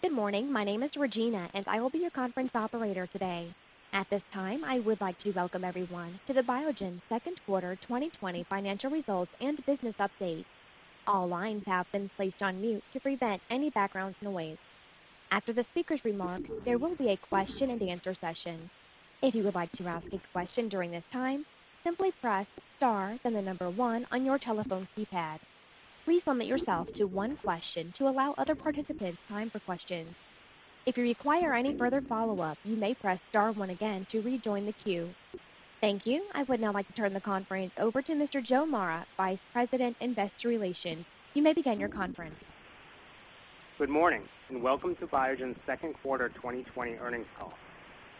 Good morning. My name is Regina, and I will be your conference operator today. At this time, I would like to welcome everyone to the Biogen Second Quarter 2020 Financial Results and Business Update. All lines have been placed on mute to prevent any background noise. After the speaker's remarks, there will be a question and answer session. If you would like to ask a question during this time, simply press star, then the number 1 on your telephone keypad. Please limit yourself to one question to allow other participants time for questions. If you require any further follow-up, you may press star 1 again to rejoin the queue. Thank you. I would now like to turn the conference over to Mr. Joe Mara, Vice President, Investor Relations. You may begin your conference. Good morning. Welcome to Biogen's second quarter 2020 earnings call.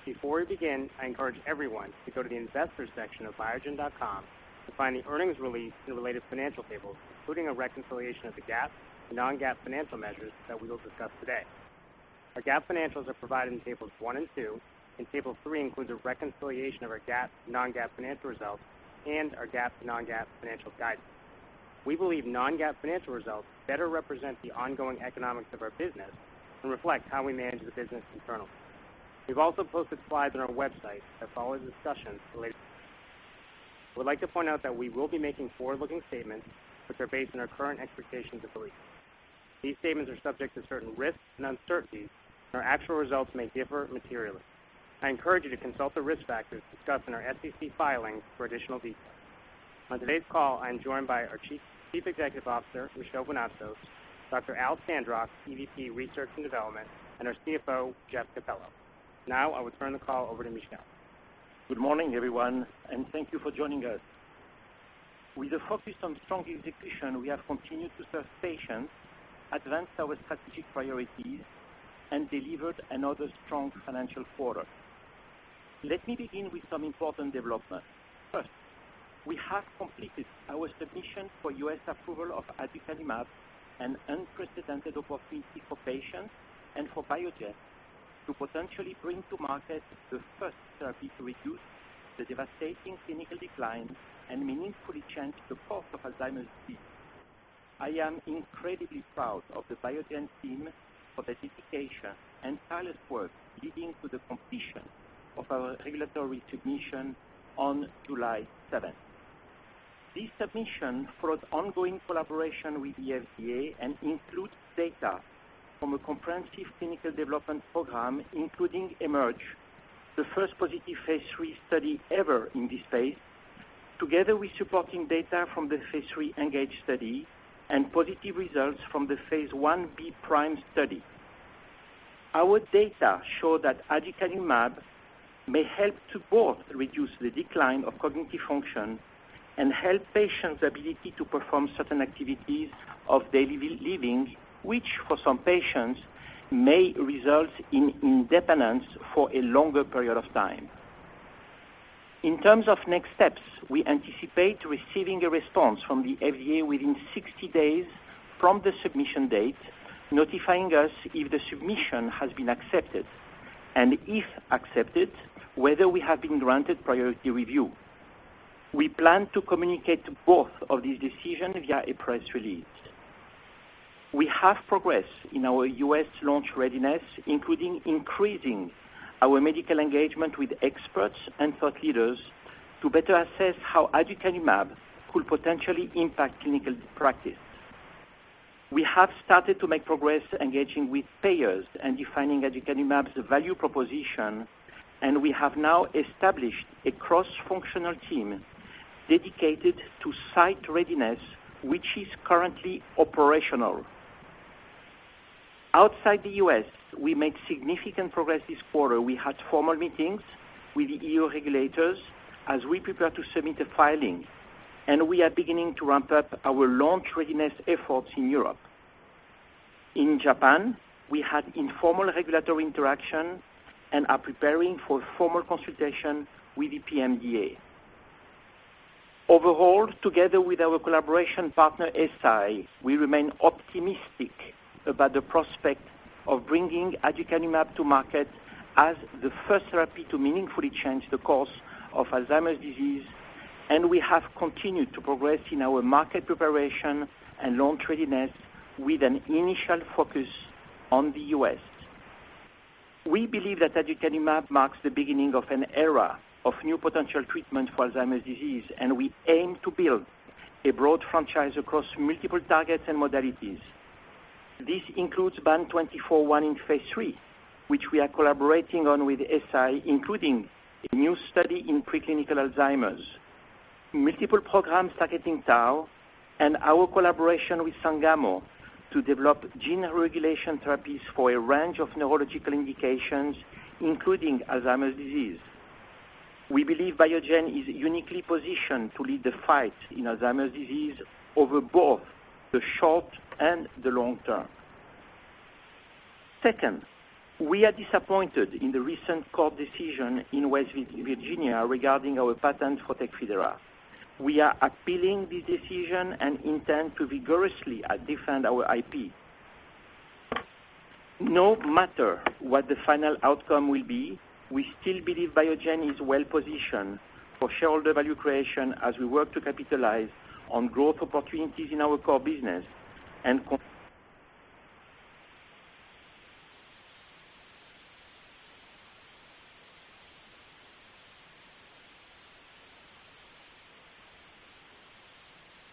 Before we begin, I encourage everyone to go to the investors section of biogen.com to find the earnings release and the latest financial tables, including a reconciliation of the GAAP to non-GAAP financial measures that we will discuss today. Our GAAP financials are provided in tables one and two. Table three includes a reconciliation of our GAAP to non-GAAP financial results and our GAAP to non-GAAP financial guidance. We believe non-GAAP financial results better represent the ongoing economics of our business and reflect how we manage the business internally. We've also posted slides on our website that follow the discussion relating. I would like to point out that we will be making forward-looking statements that are based on our current expectations and beliefs. These statements are subject to certain risks and uncertainties. Our actual results may differ materially. I encourage you to consult the risk factors discussed in our SEC filings for additional details. On today's call, I'm joined by our Chief Executive Officer, Michel Vounatsos, Dr. Alfred Sandrock, EVP, Research and Development, and our CFO, Jeffrey Capello. I will turn the call over to Michel. Good morning, everyone, and thank you for joining us. With a focus on strong execution, we have continued to serve patients, advance our strategic priorities, and delivered another strong financial quarter. Let me begin with some important developments. First, we have completed our submission for U.S. approval of aducanumab, an unprecedented opportunity for patients and for Biogen to potentially bring to market the first therapy to reduce the devastating clinical decline and meaningfully change the course of Alzheimer's disease. I am incredibly proud of the Biogen team for their dedication and tireless work leading to the completion of our regulatory submission on July 7th. This submission follows ongoing collaboration with the FDA and includes data from a comprehensive clinical development program, including EMERGE, the first positive phase III study ever in this space, together with supporting data from the phase III ENGAGE study and positive results from the phase I-B PRIME study. Our data show that aducanumab may help to both reduce the decline of cognitive function and help patients' ability to perform certain activities of daily living, which for some patients may result in independence for a longer period of time. In terms of next steps, we anticipate receiving a response from the FDA within 60 days from the submission date notifying us if the submission has been accepted, and if accepted, whether we have been granted priority review. We plan to communicate both of these decisions via a press release. We have progressed in our U.S. launch readiness, including increasing our medical engagement with experts and thought leaders to better assess how aducanumab could potentially impact clinical practice. We have started to make progress engaging with payers and defining aducanumab's value proposition. We have now established a cross-functional team dedicated to site readiness, which is currently operational. Outside the U.S., we made significant progress this quarter. We had formal meetings with the EU regulators as we prepare to submit a filing. We are beginning to ramp up our launch readiness efforts in Europe. In Japan, we had informal regulatory interactions and are preparing for formal consultation with the PMDA. Overall, together with our collaboration partner, Eisai, we remain optimistic about the prospect of bringing aducanumab to market as the first therapy to meaningfully change the course of Alzheimer's disease, and we have continued to progress in our market preparation and launch readiness with an initial focus on the U.S. We believe that aducanumab marks the beginning of an era of new potential treatments for Alzheimer's disease, and we aim to build a broad franchise across multiple targets and modalities. This includes BAN2401 in phase III, which we are collaborating on with Eisai, including a new study in preclinical Alzheimer's. Multiple programs targeting tau and our collaboration with Sangamo to develop gene regulation therapies for a range of neurological indications, including Alzheimer's disease. We believe Biogen is uniquely positioned to lead the fight in Alzheimer's disease over both the short and the long term. Second, we are disappointed in the recent court decision in West Virginia regarding our patent for TECFIDERA. We are appealing this decision and intend to vigorously defend our IP. No matter what the final outcome will be, we still believe Biogen is well-positioned for shareholder value creation as we work to capitalize on growth opportunities in our core business.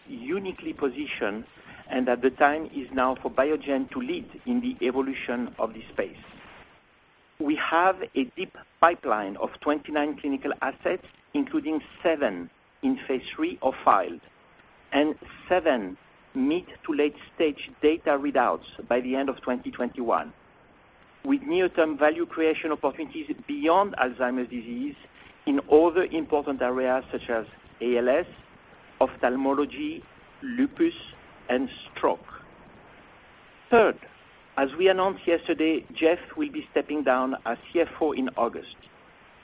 Uniquely positioned and that the time is now for Biogen to lead in the evolution of this space. We have a deep pipeline of 29 clinical assets, including 7 in phase III or filed, and 7 mid to late-stage data readouts by the end of 2021. With near-term value creation opportunities beyond Alzheimer's disease in other important areas such as ALS, ophthalmology, lupus, and stroke. Third, as we announced yesterday, Jeff will be stepping down as CFO in August.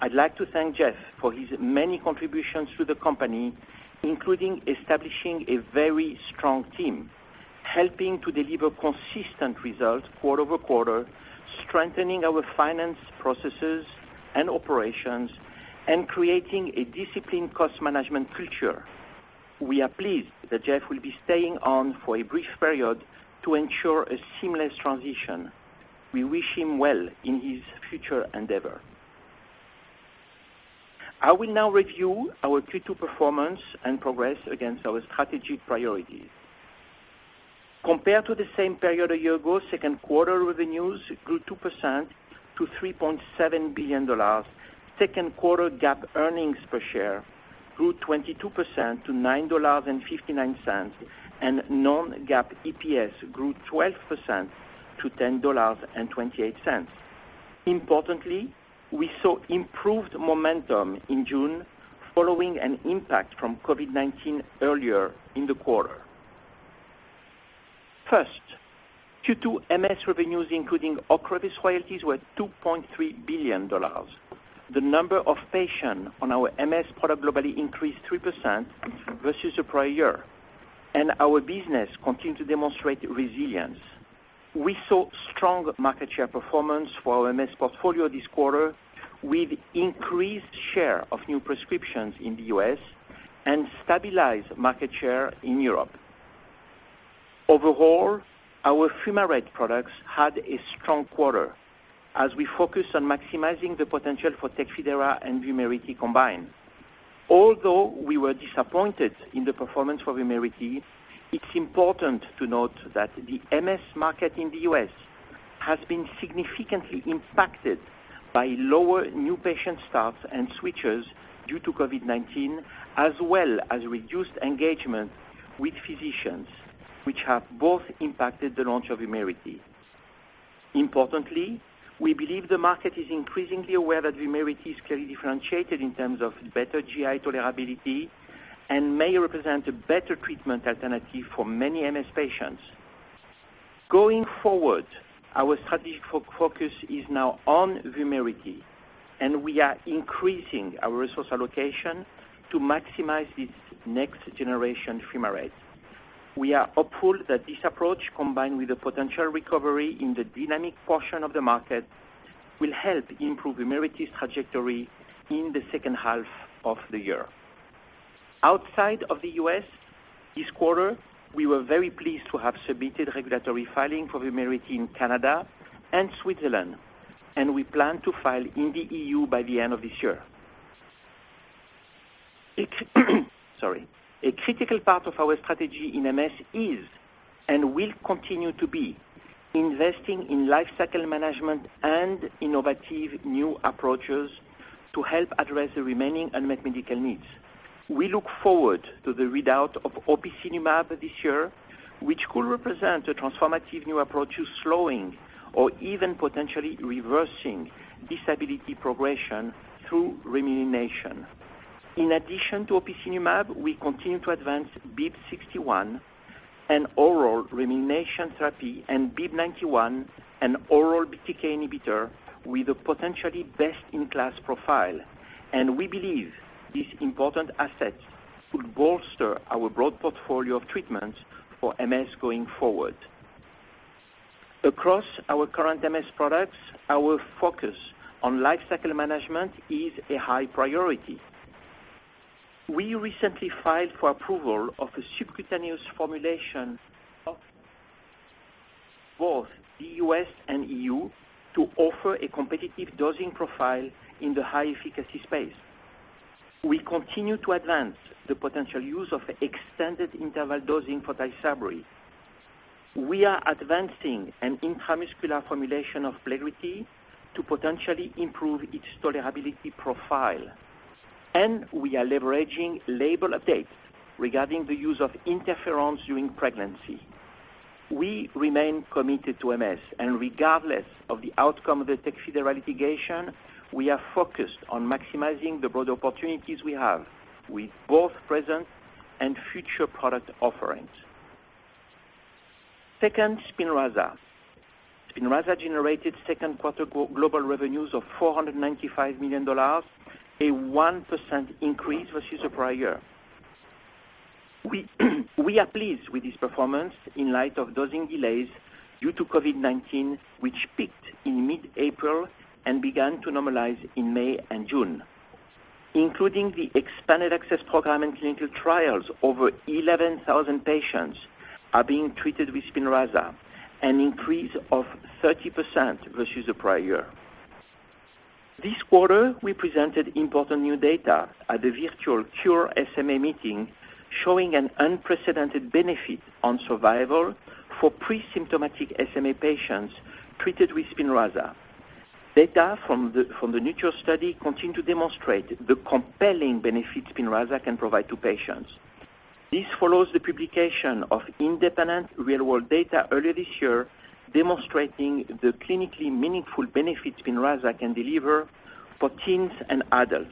I'd like to thank Jeff for his many contributions to the company, including establishing a very strong team, helping to deliver consistent results quarter-over-quarter, strengthening our finance processes and operations, and creating a disciplined cost management culture. We are pleased that Jeff will be staying on for a brief period to ensure a seamless transition. We wish him well in his future endeavor. I will now review our Q2 performance and progress against our strategic priorities. Compared to the same period a year ago, second quarter revenues grew 2% to $3.7 billion. Second quarter GAAP earnings per share grew 22% to $9.59, non-GAAP EPS grew 12% to $10.28. Importantly, we saw improved momentum in June following an impact from COVID-19 earlier in the quarter. First, Q2 MS revenues, including Ocrevus royalties, were $2.3 billion. The number of patients on our MS product globally increased 3% versus the prior year, and our business continued to demonstrate resilience. We saw strong market share performance for our MS portfolio this quarter with increased share of new prescriptions in the U.S. and stabilized market share in Europe. Overall, our fumarate products had a strong quarter as we focused on maximizing the potential for TECFIDERA and VUMERITY combined. Although we were disappointed in the performance for VUMERITY, it's important to note that the MS market in the U.S. has been significantly impacted by lower new patient starts and switchers due to COVID-19, as well as reduced engagement with physicians, which have both impacted the launch of VUMERITY. Importantly, we believe the market is increasingly aware that VUMERITY is clearly differentiated in terms of better GI tolerability and may represent a better treatment alternative for many MS patients. Going forward, our strategic focus is now on Vumerity, and we are increasing our resource allocation to maximize this next generation fumarate. We are hopeful that this approach, combined with a potential recovery in the dynamic portion of the market, will help improve Vumerity's trajectory in the second half of the year. Outside of the U.S. this quarter, we were very pleased to have submitted regulatory filing for Vumerity in Canada and Switzerland, and we plan to file in the EU by the end of this year. Sorry. A critical part of our strategy in MS is and will continue to be investing in lifecycle management and innovative new approaches to help address the remaining unmet medical needs. We look forward to the readout of opicinumab this year, which could represent a transformative new approach to slowing or even potentially reversing disability progression through remyelination. In addition to opicinumab, we continue to advance BIIB061, an oral remyelination therapy, and BIIB091, an oral BTK inhibitor with a potentially best-in-class profile. We believe this important asset could bolster our broad portfolio of treatments for MS going forward. Across our current MS products, our focus on lifecycle management is a high priority. We recently filed for approval of a subcutaneous formulation of both the U.S. and EU to offer a competitive dosing profile in the high-efficacy space. We continue to advance the potential use of extended interval dosing for TYSABRI. We are advancing an intramuscular formulation of plerixafor to potentially improve its tolerability profile. We are leveraging label updates regarding the use of interferon during pregnancy. We remain committed to MS, and regardless of the outcome of the TECFIDERA litigation, we are focused on maximizing the broad opportunities we have with both present and future product offerings. Second, SPINRAZA. SPINRAZA generated second-quarter global revenues of $495 million, a 1% increase versus the prior year. We are pleased with this performance in light of dosing delays due to COVID-19, which peaked in mid-April and began to normalize in May and June. Including the expanded access program and clinical trials, over 11,000 patients are being treated with SPINRAZA, an increase of 30% versus the prior year. This quarter, we presented important new data at the virtual Cure SMA Meeting, showing an unprecedented benefit on survival for pre-symptomatic SMA patients treated with SPINRAZA. Data from the NURTURE study continue to demonstrate the compelling benefits SPINRAZA can provide to patients. This follows the publication of independent real-world data earlier this year demonstrating the clinically meaningful benefits SPINRAZA can deliver for teens and adults,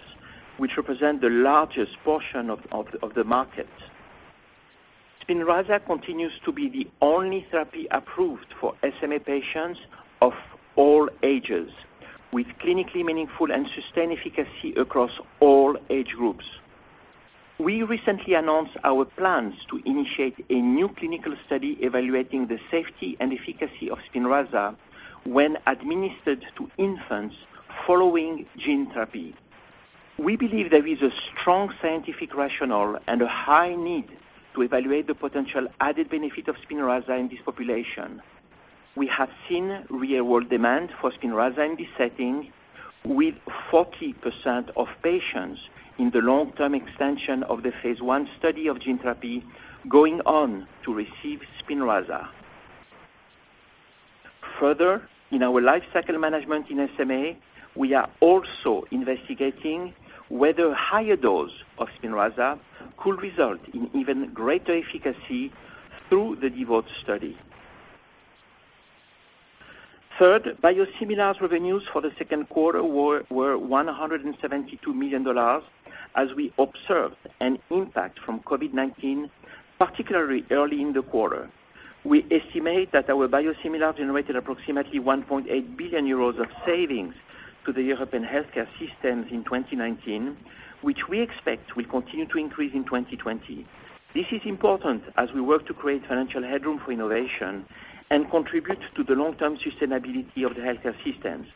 which represent the largest portion of the market. SPINRAZA continues to be the only therapy approved for SMA patients of all ages, with clinically meaningful and sustained efficacy across all age groups. We recently announced our plans to initiate a new clinical study evaluating the safety and efficacy of SPINRAZA when administered to infants following gene therapy. We believe there is a strong scientific rationale and a high need to evaluate the potential added benefit of SPINRAZA in this population. We have seen real-world demand for SPINRAZA in this setting with 40% of patients in the long-term extension of the phase I study of gene therapy going on to receive SPINRAZA. In our lifecycle management in SMA, we are also investigating whether higher dose of Spinraza could result in even greater efficacy through the DEVOTE study. Biosimilars revenues for the second quarter were $172 million, as we observed an impact from COVID-19, particularly early in the quarter. We estimate that our biosimilars generated approximately €1.8 billion of savings to the European healthcare systems in 2019, which we expect will continue to increase in 2020. This is important as we work to create financial headroom for innovation and contribute to the long-term sustainability of the healthcare systems.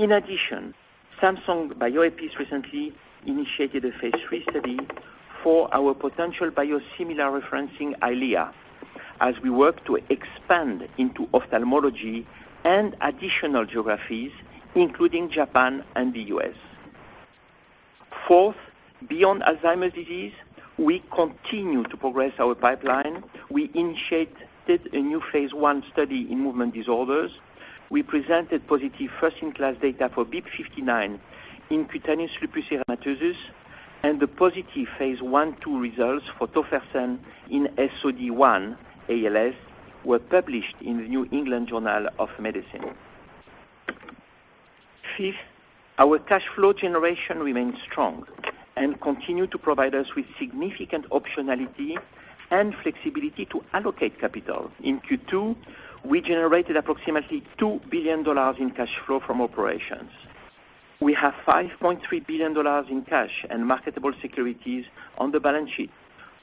Samsung Bioepis recently initiated a phase III study for our potential biosimilar referencing Eylea, as we work to expand into ophthalmology and additional geographies, including Japan and the U.S. Beyond Alzheimer's disease, we continue to progress our pipeline. We initiated a new phase I study in movement disorders. We presented positive first-in-class data for BIIB059 in cutaneous lupus erythematosus. The positive phase I-II results for tofersen in SOD1 ALS were published in the "New England Journal of Medicine." Fifth, our cash flow generation remains strong and continue to provide us with significant optionality and flexibility to allocate capital. In Q2, we generated approximately $2 billion in cash flow from operations. We have $5.3 billion in cash and marketable securities on the balance sheet,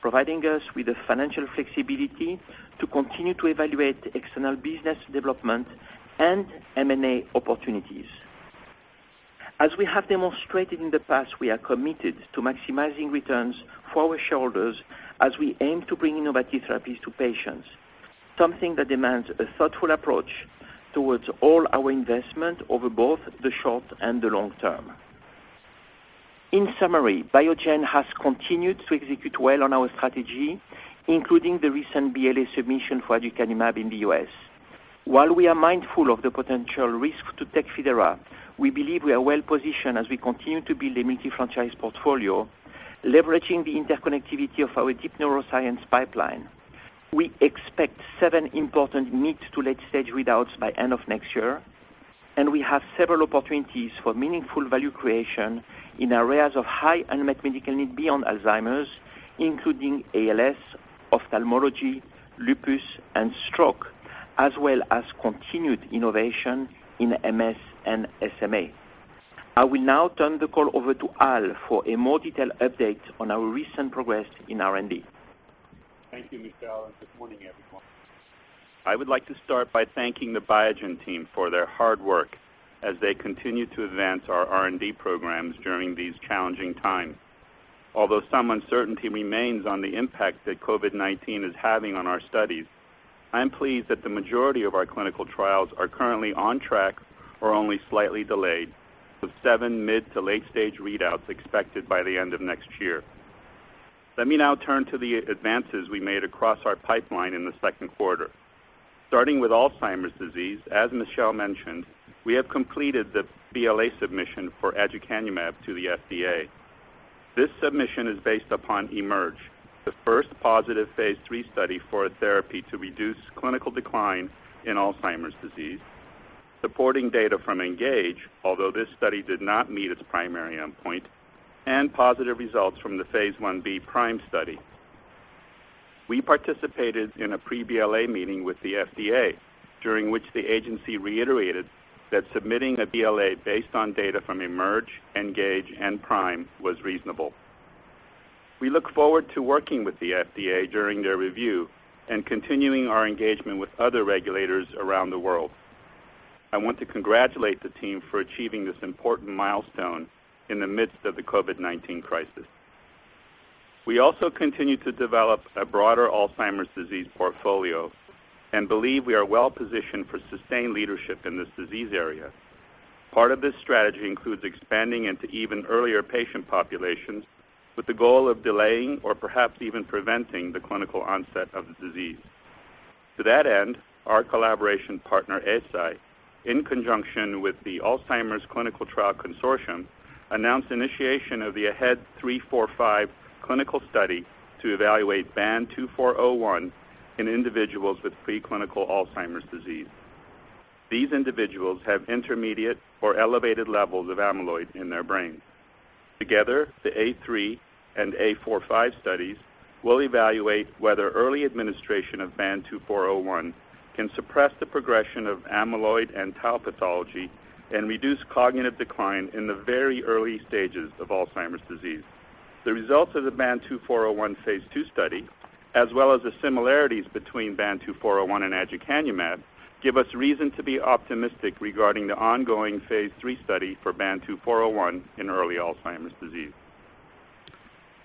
providing us with the financial flexibility to continue to evaluate external business development and M&A opportunities. As we have demonstrated in the past, we are committed to maximizing returns for our shareholders as we aim to bring innovative therapies to patients. Something that demands a thoughtful approach towards all our investment over both the short and the long term. In summary, Biogen has continued to execute well on our strategy, including the recent BLA submission for aducanumab in the U.S. While we are mindful of the potential risk to Tecfidera, we believe we are well positioned as we continue to build a multi-franchise portfolio, leveraging the interconnectivity of our deep neuroscience pipeline. We expect seven important mid-to-late stage readouts by end of next year. We have several opportunities for meaningful value creation in areas of high unmet medical need beyond Alzheimer's, including ALS, ophthalmology, lupus, and stroke, as well as continued innovation in MS and SMA. I will now turn the call over to Al for a more detailed update on our recent progress in R&D. Thank you, Michel. Good morning, everyone. I would like to start by thanking the Biogen team for their hard work as they continue to advance our R&D programs during these challenging times. Although some uncertainty remains on the impact that COVID-19 is having on our studies, I'm pleased that the majority of our clinical trials are currently on track or only slightly delayed, with seven mid-to-late stage readouts expected by the end of next year. Let me now turn to the advances we made across our pipeline in the second quarter. Starting with Alzheimer's disease, as Michel mentioned, we have completed the BLA submission for aducanumab to the FDA. This submission is based upon EMERGE, the first positive phase III study for a therapy to reduce clinical decline in Alzheimer's disease. Supporting data from ENGAGE, although this study did not meet its primary endpoint, and positive results from the phase I-B PRIME study. We participated in a pre-BLA meeting with the FDA, during which the agency reiterated that submitting a BLA based on data from EMERGE, ENGAGE, and PRIME was reasonable. We look forward to working with the FDA during their review and continuing our engagement with other regulators around the world. I want to congratulate the team for achieving this important milestone in the midst of the COVID-19 crisis. We also continue to develop a broader Alzheimer's disease portfolio and believe we are well-positioned for sustained leadership in this disease area. Part of this strategy includes expanding into even earlier patient populations with the goal of delaying or perhaps even preventing the clinical onset of the disease. To that end, our collaboration partner, Eisai, in conjunction with the Alzheimer's Clinical Trials Consortium, announced initiation of the AHEAD 3-45 clinical study to evaluate BAN2401 in individuals with preclinical Alzheimer's disease. These individuals have intermediate or elevated levels of amyloid in their brains. Together, the A3 and A45 studies will evaluate whether early administration of BAN2401 can suppress the progression of amyloid and tau pathology and reduce cognitive decline in the very early stages of Alzheimer's disease. The results of the BAN2401 phase II study, as well as the similarities between BAN2401 and aducanumab, give us reason to be optimistic regarding the ongoing phase III study for BAN2401 in early Alzheimer's disease.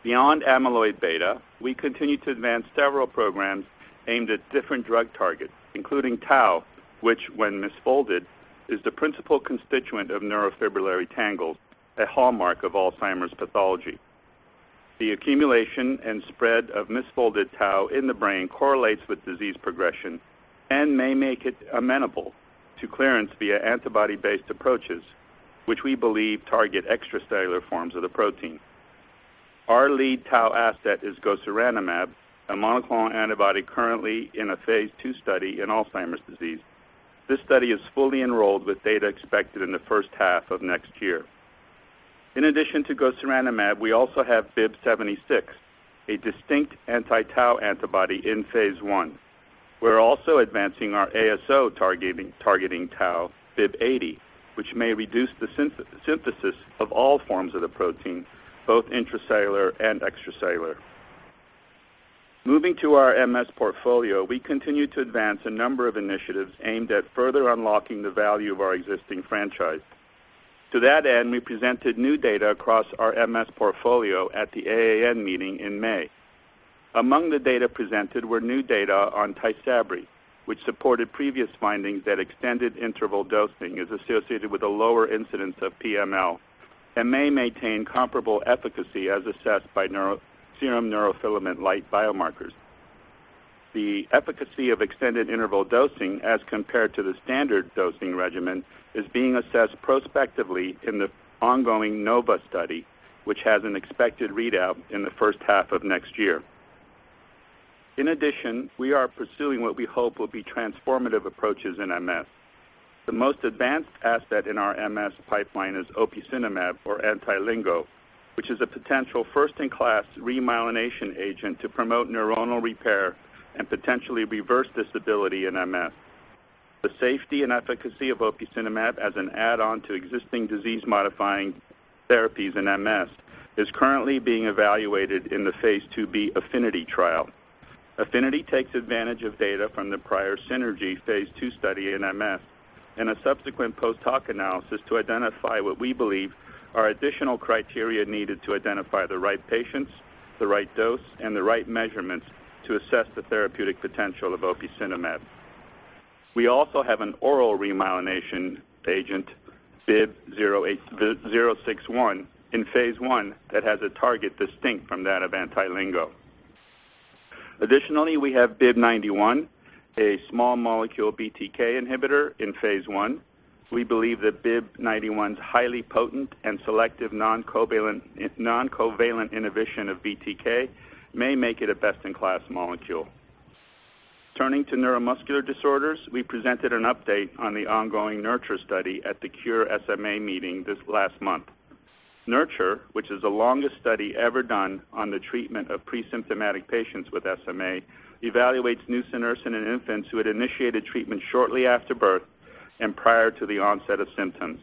Beyond amyloid beta, we continue to advance several programs aimed at different drug targets, including tau, which when misfolded is the principal constituent of neurofibrillary tangles, a hallmark of Alzheimer's pathology. The accumulation and spread of misfolded tau in the brain correlates with disease progression and may make it amenable to clearance via antibody-based approaches, which we believe target extracellular forms of the protein. Our lead tau asset is gosuranemab, a monoclonal antibody currently in a phase II study in Alzheimer's disease. This study is fully enrolled with data expected in the first half of next year. In addition to gosuranemab, we also have BIIB076, a distinct anti-tau antibody in phase I. We're also advancing our ASO targeting tau, BIIB080, which may reduce the synthesis of all forms of the protein, both intracellular and extracellular. Moving to our MS portfolio, we continue to advance a number of initiatives aimed at further unlocking the value of our existing franchise. To that end, we presented new data across our MS portfolio at the AAN meeting in May. Among the data presented were new data on TYSABRI, which supported previous findings that extended-interval dosing is associated with a lower incidence of PML and may maintain comparable efficacy as assessed by serum neurofilament light biomarkers. The efficacy of extended-interval dosing as compared to the standard dosing regimen is being assessed prospectively in the ongoing NOVA study, which has an expected readout in the first half of next year. In addition, we are pursuing what we hope will be transformative approaches in MS. The most advanced asset in our MS pipeline is opicinumab or anti-LINGO-1, which is a potential first-in-class remyelination agent to promote neuronal repair and potentially reverse disability in MS. The safety and efficacy of opicinumab as an add-on to existing disease-modifying therapies in MS is currently being evaluated in the Phase II-B AFFINITY trial. AFFINITY takes advantage of data from the prior SYNERGY phase II study in MS and a subsequent post-hoc analysis to identify what we believe are additional criteria needed to identify the right patients, the right dose, and the right measurements to assess the therapeutic potential of opicinumab. We also have an oral remyelination agent, BIIB061, in phase I that has a target distinct from that of anti-LINGO. We have BIIB091, a small molecule BTK inhibitor in phase I. We believe that BIIB091's highly potent and selective non-covalent inhibition of BTK may make it a best-in-class molecule. Turning to neuromuscular disorders, we presented an update on the ongoing NURTURE study at the Cure SMA meeting this last month. NURTURE, which is the longest study ever done on the treatment of pre-symptomatic patients with SMA, evaluates nusinersen in infants who had initiated treatment shortly after birth and prior to the onset of symptoms.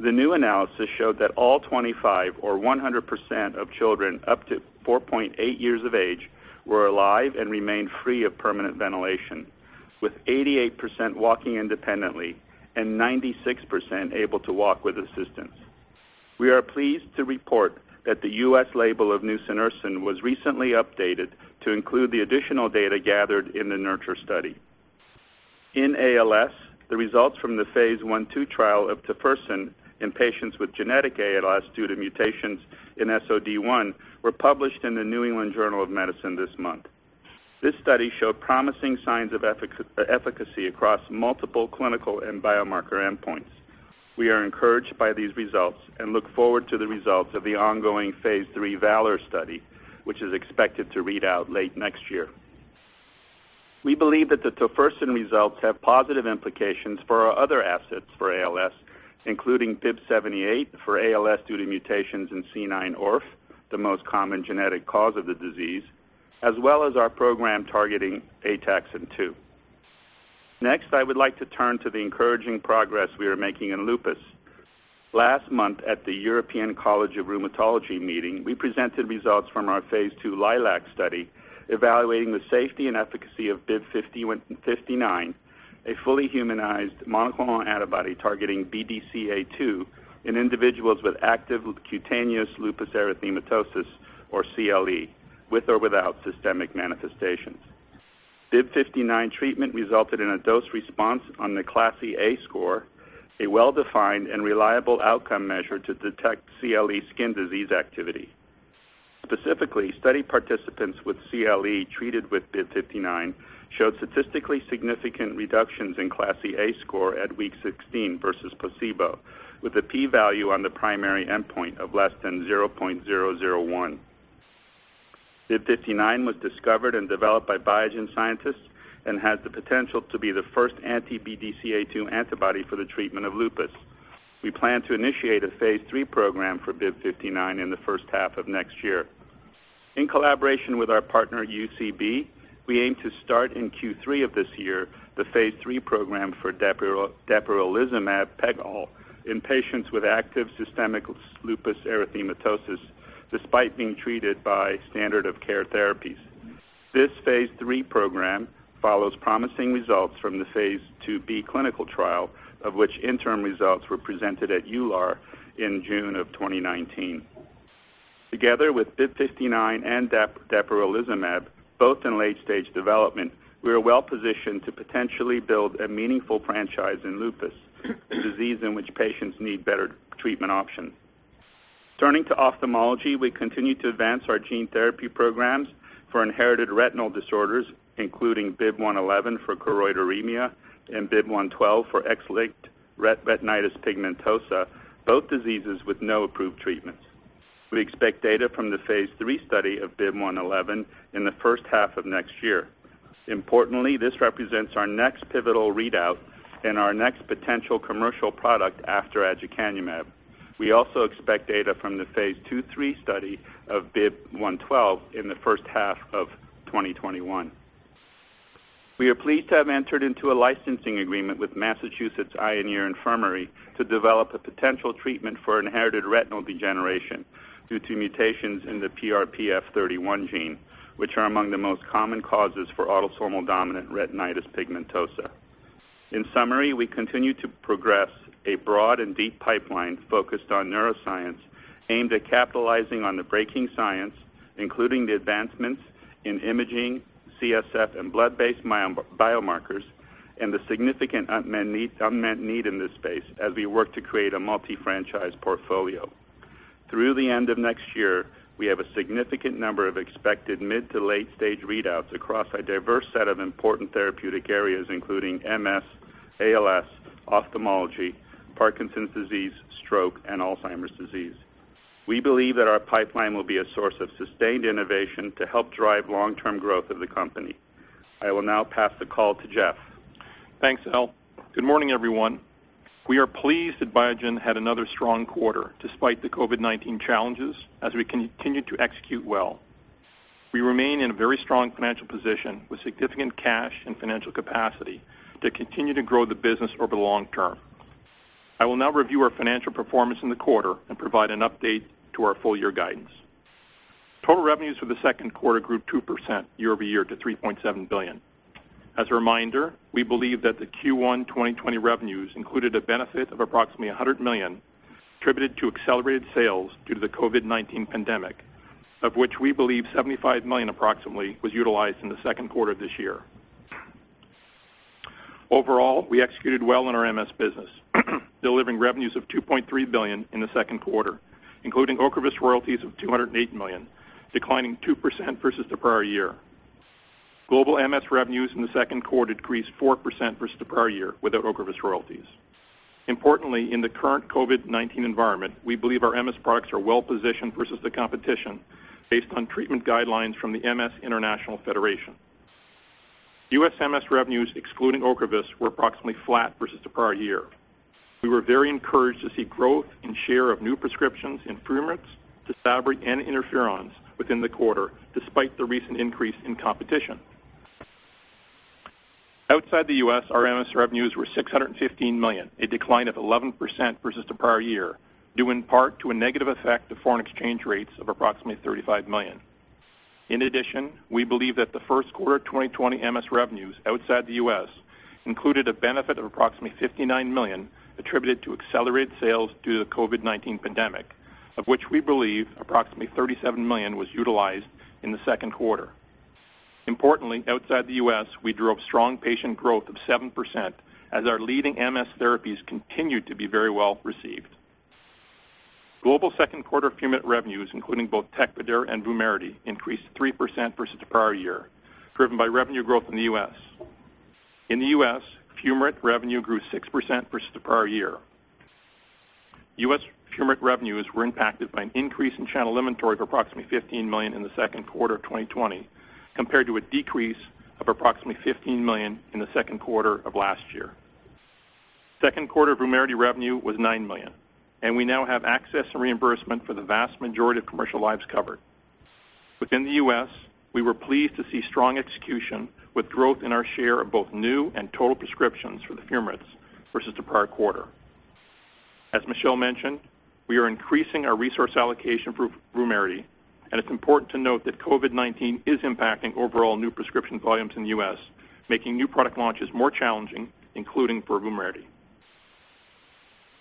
The new analysis showed that all 25 or 100% of children up to 4.8 years of age were alive and remain free of permanent ventilation, with 88% walking independently and 96% able to walk with assistance. We are pleased to report that the U.S. label of nusinersen was recently updated to include the additional data gathered in the NURTURE study. In ALS, the results from the phase I/II trial of tofersen in patients with genetic ALS due to mutations in SOD1 were published in "The New England Journal of Medicine" this month. This study showed promising signs of efficacy across multiple clinical and biomarker endpoints. We are encouraged by these results and look forward to the results of the ongoing phase III VALOR study, which is expected to read out late next year. We believe that the tofersen results have positive implications for our other assets for ALS, including BIIB078 for ALS due to mutations in C9orf72, the most common genetic cause of the disease, as well as our program targeting ataxin-2. I would like to turn to the encouraging progress we are making in lupus. Last month at the European Congress of Rheumatology meeting, we presented results from our phase II LILAC study evaluating the safety and efficacy of BIIB059, a fully humanized monoclonal antibody targeting BDCA-2 in individuals with active cutaneous lupus erythematosus, or CLE, with or without systemic manifestations. BIIB059 treatment resulted in a dose response on the CLASI-A score, a well-defined and reliable outcome measure to detect CLE skin disease activity. Specifically, study participants with CLE treated with BIIB059 showed statistically significant reductions in CLASI-A score at week 16 versus placebo, with a P value on the primary endpoint of less than 0.001. BIIB059 was discovered and developed by Biogen scientists and has the potential to be the first anti-BDCA-2 antibody for the treatment of lupus. We plan to initiate a phase III program for BIIB059 in the first half of next year. In collaboration with our partner, UCB, we aim to start in Q3 of this year the phase III program for dapirolizumab pegol in patients with active systemic lupus erythematosus, despite being treated by standard of care therapies. This phase III program follows promising results from the phase II-B clinical trial, of which interim results were presented at EULAR in June of 2019. Together with BIIB059 and dapirolizumab pegol, both in late-stage development, we are well-positioned to potentially build a meaningful franchise in lupus, a disease in which patients need better treatment options. Turning to ophthalmology, we continue to advance our gene therapy programs for inherited retinal disorders, including BIIB111 for choroideremia and BIIB112 for X-linked retinitis pigmentosa, both diseases with no approved treatments. We expect data from the phase III study of BIIB111 in the first half of next year. Importantly, this represents our next pivotal readout and our next potential commercial product after aducanumab. We also expect data from the phase II/III study of BIIB112 in the first half of 2021. We are pleased to have entered into a licensing agreement with Massachusetts Eye and Ear Infirmary to develop a potential treatment for inherited retinal degeneration due to mutations in the PRPF31 gene, which are among the most common causes for autosomal dominant retinitis pigmentosa. In summary, we continue to progress a broad and deep pipeline focused on neuroscience aimed at capitalizing on the breaking science, including the advancements in imaging, CSF, and blood-based biomarkers, and the significant unmet need in this space as we work to create a multi-franchise portfolio. Through the end of next year, we have a significant number of expected mid to late-stage readouts across a diverse set of important therapeutic areas, including MS, ALS, ophthalmology, Parkinson's disease, stroke, and Alzheimer's disease. We believe that our pipeline will be a source of sustained innovation to help drive long-term growth of the company. I will now pass the call to Jeff. Thanks, Al. Good morning, everyone. We are pleased that Biogen had another strong quarter despite the COVID-19 challenges as we continued to execute well. We remain in a very strong financial position with significant cash and financial capacity to continue to grow the business over the long term. I will now review our financial performance in the quarter and provide an update to our full-year guidance. Total revenues for the second quarter grew 2% year-over-year to $3.7 billion. As a reminder, we believe that the Q1 2020 revenues included a benefit of approximately $100 million attributed to accelerated sales due to the COVID-19 pandemic, of which we believe $75 million approximately was utilized in the second quarter of this year. Overall, we executed well in our MS business, delivering revenues of $2.3 billion in the second quarter, including OCREVUS royalties of $208 million, declining 2% versus the prior year. Global MS revenues in the second quarter decreased 4% versus the prior year without OCREVUS royalties. Importantly, in the current COVID-19 environment, we believe our MS products are well-positioned versus the competition based on treatment guidelines from the MS International Federation. U.S. MS revenues, excluding OCREVUS, were approximately flat versus the prior year. We were very encouraged to see growth in share of new prescriptions in fumarates, TYSABRI and interferons within the quarter, despite the recent increase in competition. Outside the U.S., our MS revenues were $615 million, a decline of 11% versus the prior year, due in part to a negative effect of foreign exchange rates of approximately $35 million. In addition, we believe that the first quarter 2020 MS revenues outside the U.S. included a benefit of approximately $59 million attributed to accelerated sales due to the COVID-19 pandemic, of which we believe approximately $37 million was utilized in the second quarter. Importantly, outside the U.S., we drove strong patient growth of 7% as our leading MS therapies continued to be very well received. Global second quarter fumarate revenues, including both Tecfidera and Vumerity, increased 3% versus the prior year, driven by revenue growth in the U.S. In the U.S., fumarate revenue grew 6% versus the prior year. U.S. fumarate revenues were impacted by an increase in channel inventory of approximately $15 million in the second quarter of 2020, compared to a decrease of approximately $15 million in the second quarter of last year. Second quarter VUMERITY revenue was $9 million. We now have access and reimbursement for the vast majority of commercial lives covered. Within the U.S., we were pleased to see strong execution with growth in our share of both new and total prescriptions for the fumarates versus the prior quarter. As Michel mentioned, we are increasing our resource allocation for VUMERITY. It's important to note that COVID-19 is impacting overall new prescription volumes in the U.S., making new product launches more challenging, including for VUMERITY.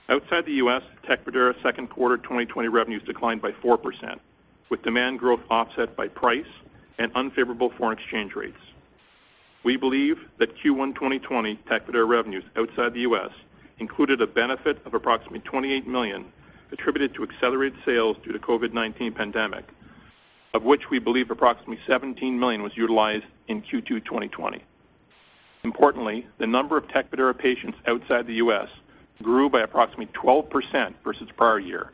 Outside the U.S., TECFIDERA second quarter 2020 revenues declined by 4%, with demand growth offset by price and unfavorable foreign exchange rates. We believe that Q1 2020 TECFIDERA revenues outside the U.S. included a benefit of approximately $28 million attributed to accelerated sales due to COVID-19 pandemic, of which we believe approximately $17 million was utilized in Q2 2020. Importantly, the number of TECFIDERA patients outside the U.S. grew by approximately 12% versus prior year,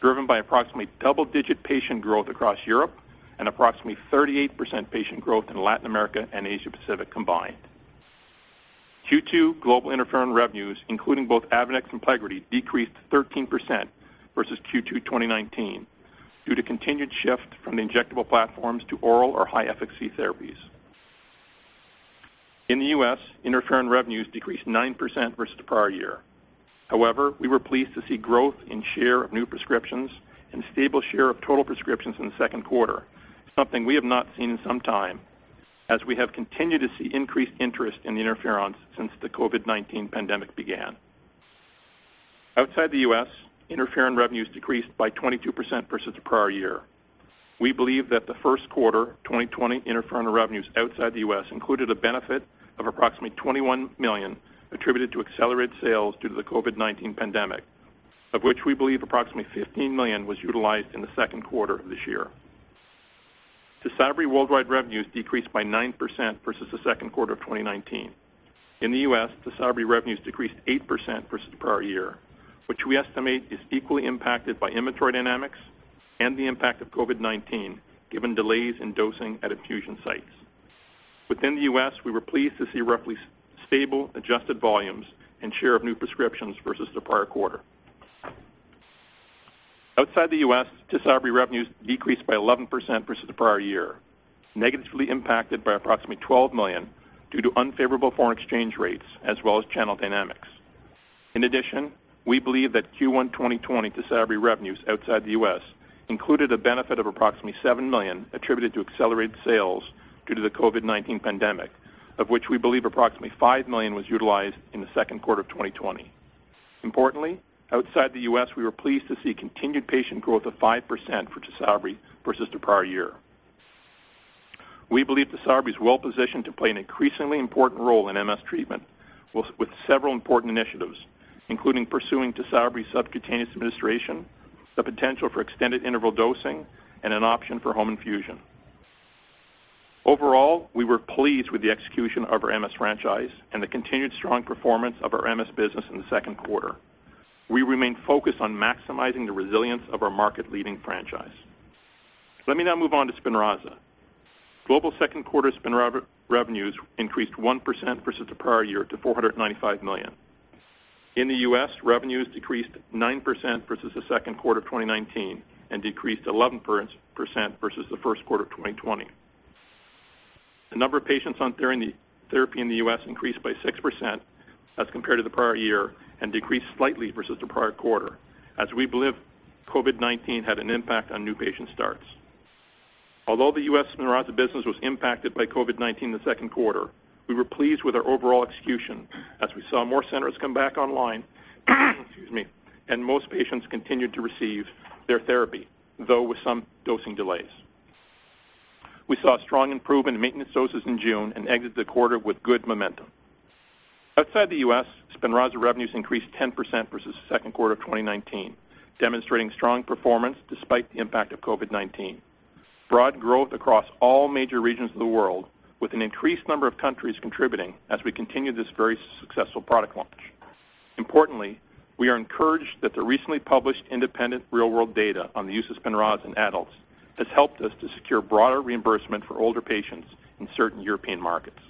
driven by approximately double-digit patient growth across Europe and approximately 38% patient growth in Latin America and Asia-Pacific combined. Q2 global interferon revenues, including both AVONEX and PLEGRIDY, decreased 13% versus Q2 2019 due to continued shift from the injectable platforms to oral or high efficacy therapies. In the U.S., interferon revenues decreased 9% versus the prior year. We were pleased to see growth in share of new prescriptions and stable share of total prescriptions in the second quarter, something we have not seen in some time, as we have continued to see increased interest in the interferons since the COVID-19 pandemic began. Outside the U.S., interferon revenues decreased by 22% versus the prior year. We believe that the first quarter 2020 interferon revenues outside the U.S. included a benefit of approximately $21 million attributed to accelerated sales due to the COVID-19 pandemic, of which we believe approximately $15 million was utilized in the second quarter of this year. TYSABRI worldwide revenues decreased by 9% versus the second quarter of 2019. In the U.S., TYSABRI revenues decreased 8% versus the prior year, which we estimate is equally impacted by inventory dynamics and the impact of COVID-19, given delays in dosing at infusion sites. Within the U.S., we were pleased to see roughly stable adjusted volumes and share of new prescriptions versus the prior quarter. Outside the U.S., TYSABRI revenues decreased by 11% versus the prior year, negatively impacted by approximately $12 million due to unfavorable foreign exchange rates as well as channel dynamics. We believe that Q1 2020 TYSABRI revenues outside the U.S. included a benefit of approximately $7 million attributed to accelerated sales due to the COVID-19 pandemic, of which we believe approximately $5 million was utilized in the second quarter of 2020. Outside the U.S., we were pleased to see continued patient growth of 5% for TYSABRI versus the prior year. We believe TYSABRI is well positioned to play an increasingly important role in MS treatment, with several important initiatives, including pursuing TYSABRI subcutaneous administration, the potential for extended interval dosing, and an option for home infusion. We were pleased with the execution of our MS franchise and the continued strong performance of our MS business in the second quarter. We remain focused on maximizing the resilience of our market-leading franchise. Let me now move on to SPINRAZA. Global second quarter SPINRAZA revenues increased 1% versus the prior year to $495 million. In the U.S., revenues decreased 9% versus the second quarter of 2019 and decreased 11% versus the first quarter of 2020. The number of patients on therapy in the U.S. increased by 6% as compared to the prior year and decreased slightly versus the prior quarter as we believe COVID-19 had an impact on new patient starts. The U.S. SPINRAZA business was impacted by COVID-19 in the second quarter, we were pleased with our overall execution as we saw more centers come back online and most patients continued to receive their therapy, though with some dosing delays. We saw a strong improvement in maintenance doses in June and exited the quarter with good momentum. Outside the U.S., SPINRAZA revenues increased 10% versus the second quarter of 2019, demonstrating strong performance despite the impact of COVID-19. Broad growth across all major regions of the world with an increased number of countries contributing as we continue this very successful product launch. Importantly, we are encouraged that the recently published independent real-world data on the use of SPINRAZA in adults has helped us to secure broader reimbursement for older patients in certain European markets.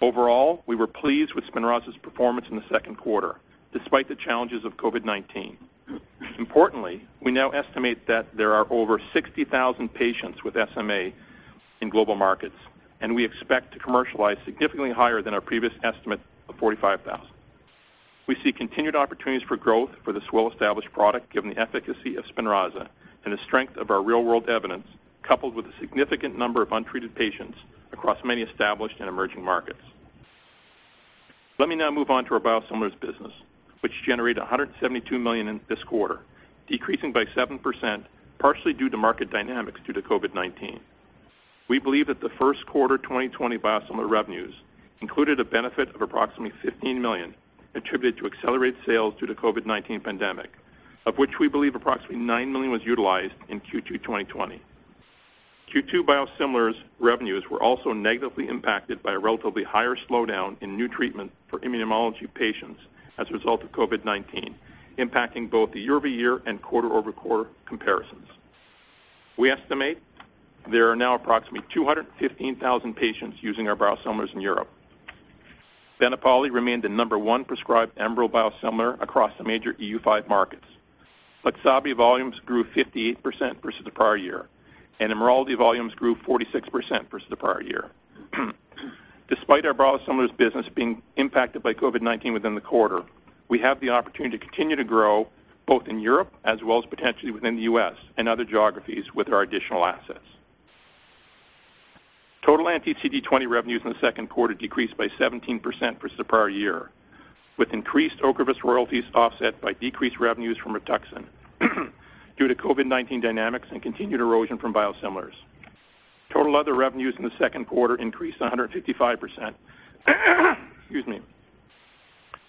Overall, we were pleased with SPINRAZA's performance in the second quarter, despite the challenges of COVID-19. Importantly, we now estimate that there are over 60,000 patients with SMA in global markets, and we expect to commercialize significantly higher than our previous estimate of 45,000. We see continued opportunities for growth for this well-established product given the efficacy of SPINRAZA and the strength of our real-world evidence, coupled with a significant number of untreated patients across many established and emerging markets. Let me now move on to our biosimilars business, which generated $172 million in this quarter, decreasing by 7%, partially due to market dynamics due to COVID-19. We believe that the first quarter 2020 biosimilar revenues included a benefit of approximately $15 million attributed to accelerated sales due to COVID-19 pandemic, of which we believe approximately $9 million was utilized in Q2 2020. Q2 biosimilars revenues were also negatively impacted by a relatively higher slowdown in new treatment for immunology patients as a result of COVID-19, impacting both the year-over-year and quarter-over-quarter comparisons. We estimate there are now approximately 215,000 patients using our biosimilars in Europe. BENEPALI remained the number one prescribed ENBREL biosimilar across the major EU5 markets. Flixabi volumes grew 58% versus the prior year, and Imraldi volumes grew 46% versus the prior year. Despite our biosimilars business being impacted by COVID-19 within the quarter, we have the opportunity to continue to grow both in Europe as well as potentially within the U.S. and other geographies with our additional assets. Total anti-CD20 revenues in the second quarter decreased by 17% versus the prior year, with increased Ocrevus royalties offset by decreased revenues from Rituxan due to COVID-19 dynamics and continued erosion from biosimilars. Total other revenues in the second quarter increased 155%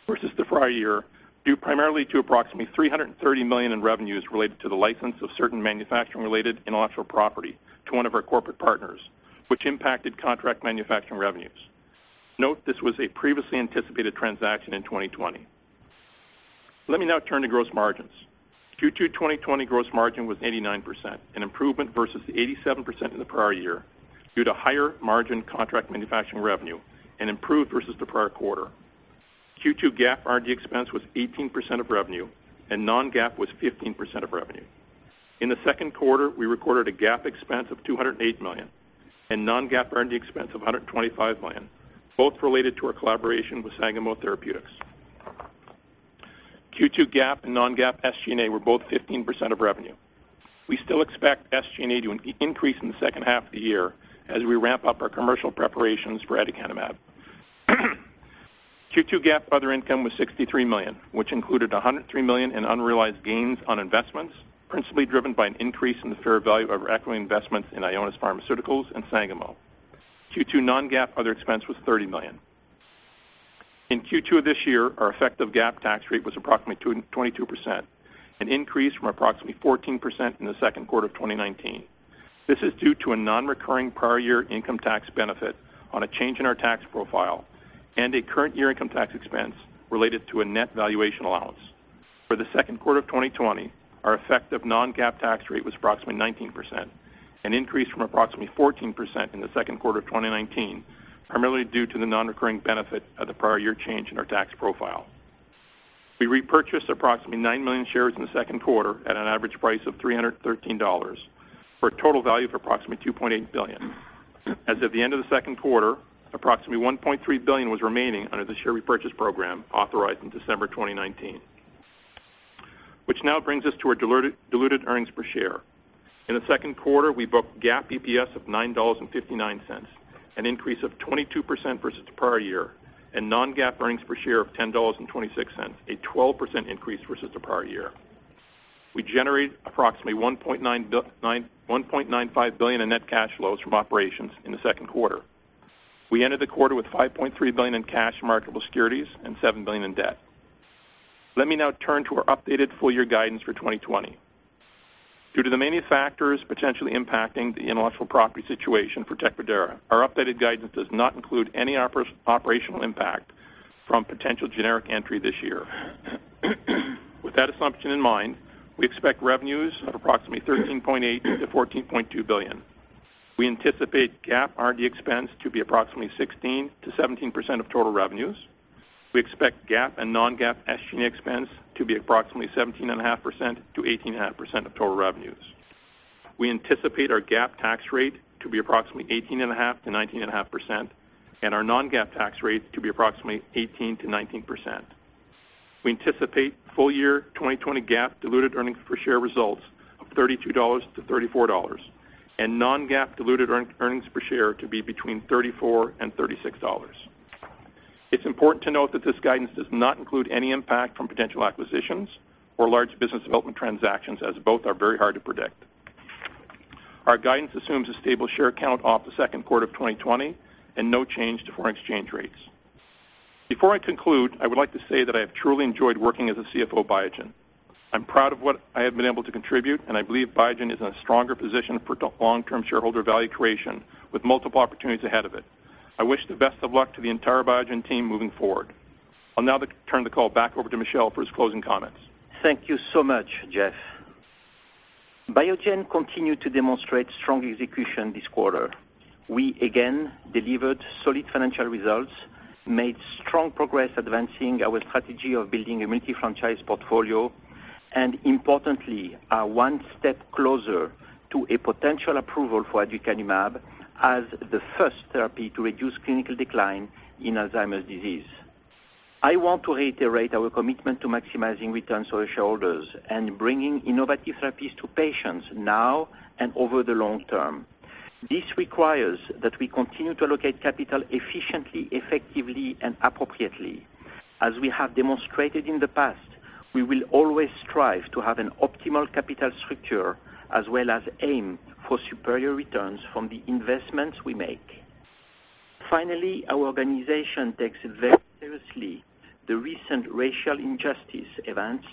versus the prior year, due primarily to approximately $330 million in revenues related to the license of certain manufacturing-related intellectual property to one of our corporate partners, which impacted contract manufacturing revenues. Note, this was a previously anticipated transaction in 2020. Let me now turn to gross margins. Q2 2020 gross margin was 89%, an improvement versus the 87% in the prior year due to higher margin contract manufacturing revenue and improved versus the prior quarter. Q2 GAAP R&D expense was 18% of revenue and non-GAAP was 15% of revenue. In the second quarter, we recorded a GAAP expense of $208 million and non-GAAP R&D expense of $125 million, both related to our collaboration with Sangamo Therapeutics. Q2 GAAP and non-GAAP SG&A were both 15% of revenue. We still expect SG&A to increase in the second half of the year as we ramp up our commercial preparations for aducanumab. Q2 GAAP other income was $63 million, which included $103 million in unrealized gains on investments, principally driven by an increase in the fair value of our equity investments in Ionis Pharmaceuticals and Sangamo. Q2 non-GAAP other expense was $30 million. In Q2 of this year, our effective GAAP tax rate was approximately 22%, an increase from approximately 14% in the second quarter of 2019. This is due to a non-recurring prior year income tax benefit on a change in our tax profile and a current year income tax expense related to a net valuation allowance. For the second quarter of 2020, our effective non-GAAP tax rate was approximately 19%, an increase from approximately 14% in the second quarter of 2019, primarily due to the non-recurring benefit of the prior year change in our tax profile. We repurchased approximately nine million shares in the second quarter at an average price of $313 for a total value of approximately $2.8 billion. As of the end of the second quarter, approximately $1.3 billion was remaining under the share repurchase program authorized in December 2019. Which now brings us to our diluted earnings per share. In the second quarter, we booked GAAP EPS of $9.59, an increase of 22% versus the prior year, and non-GAAP earnings per share of $10.26, a 12% increase versus the prior year. We generated approximately $1.95 billion in net cash flows from operations in the second quarter. We ended the quarter with $5.3 billion in cash and marketable securities and $7 billion in debt. Let me now turn to our updated full year guidance for 2020. Due to the many factors potentially impacting the intellectual property situation for TECFIDERA, our updated guidance does not include any operational impact from potential generic entry this year. With that assumption in mind, we expect revenues of approximately $13.8 billion-$14.2 billion. We anticipate GAAP R&D expense to be approximately 16%-17% of total revenues. We expect GAAP and non-GAAP SG&A expense to be approximately 17.5%-18.5% of total revenues. We anticipate our GAAP tax rate to be approximately 18.5%-19.5%, and our non-GAAP tax rate to be approximately 18%-19%. We anticipate full year 2020 GAAP diluted earnings per share results of $32-$34, and non-GAAP diluted earnings per share to be between $34 and $36. It's important to note that this guidance does not include any impact from potential acquisitions or large business development transactions, as both are very hard to predict. Our guidance assumes a stable share count off the second quarter of 2020 and no change to foreign exchange rates. Before I conclude, I would like to say that I have truly enjoyed working as a CFO of Biogen. I'm proud of what I have been able to contribute. I believe Biogen is in a stronger position for long-term shareholder value creation with multiple opportunities ahead of it. I wish the best of luck to the entire Biogen team moving forward. I'll now turn the call back over to Michel for his closing comments. Thank you so much, Jeff. Biogen continued to demonstrate strong execution this quarter. We again delivered solid financial results, made strong progress advancing our strategy of building a multi-franchise portfolio, and importantly, are one step closer to a potential approval for aducanumab as the first therapy to reduce clinical decline in Alzheimer's disease. I want to reiterate our commitment to maximizing returns to our shareholders and bringing innovative therapies to patients now and over the long term. This requires that we continue to allocate capital efficiently, effectively, and appropriately. As we have demonstrated in the past, we will always strive to have an optimal capital structure as well as aim for superior returns from the investments we make. Finally, our organization takes very seriously the recent racial injustice events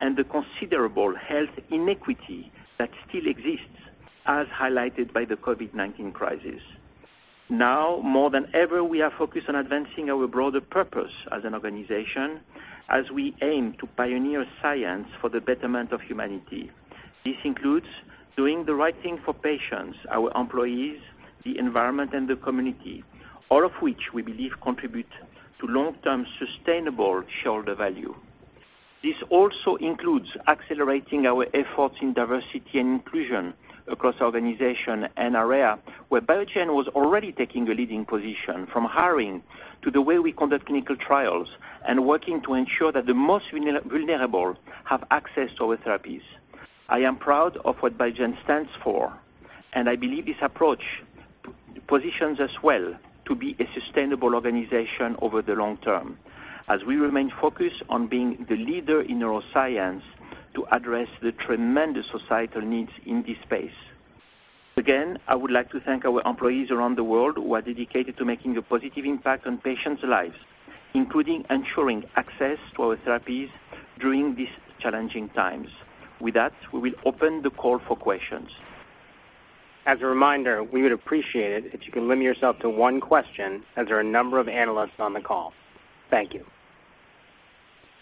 and the considerable health inequity that still exists, as highlighted by the COVID-19 crisis. Now more than ever, we are focused on advancing our broader purpose as an organization as we aim to pioneer science for the betterment of humanity. This includes doing the right thing for patients, our employees, the environment, and the community, all of which we believe contribute to long-term sustainable shareholder value. This also includes accelerating our efforts in diversity and inclusion across the organization, an area where Biogen was already taking a leading position, from hiring to the way we conduct clinical trials and working to ensure that the most vulnerable have access to our therapies. I am proud of what Biogen stands for, and I believe this approach positions us well to be a sustainable organization over the long term as we remain focused on being the leader in neuroscience to address the tremendous societal needs in this space. Again, I would like to thank our employees around the world who are dedicated to making a positive impact on patients' lives, including ensuring access to our therapies during these challenging times. With that, we will open the call for questions. As a reminder, we would appreciate it if you can limit yourself to one question as there are a number of analysts on the call. Thank you.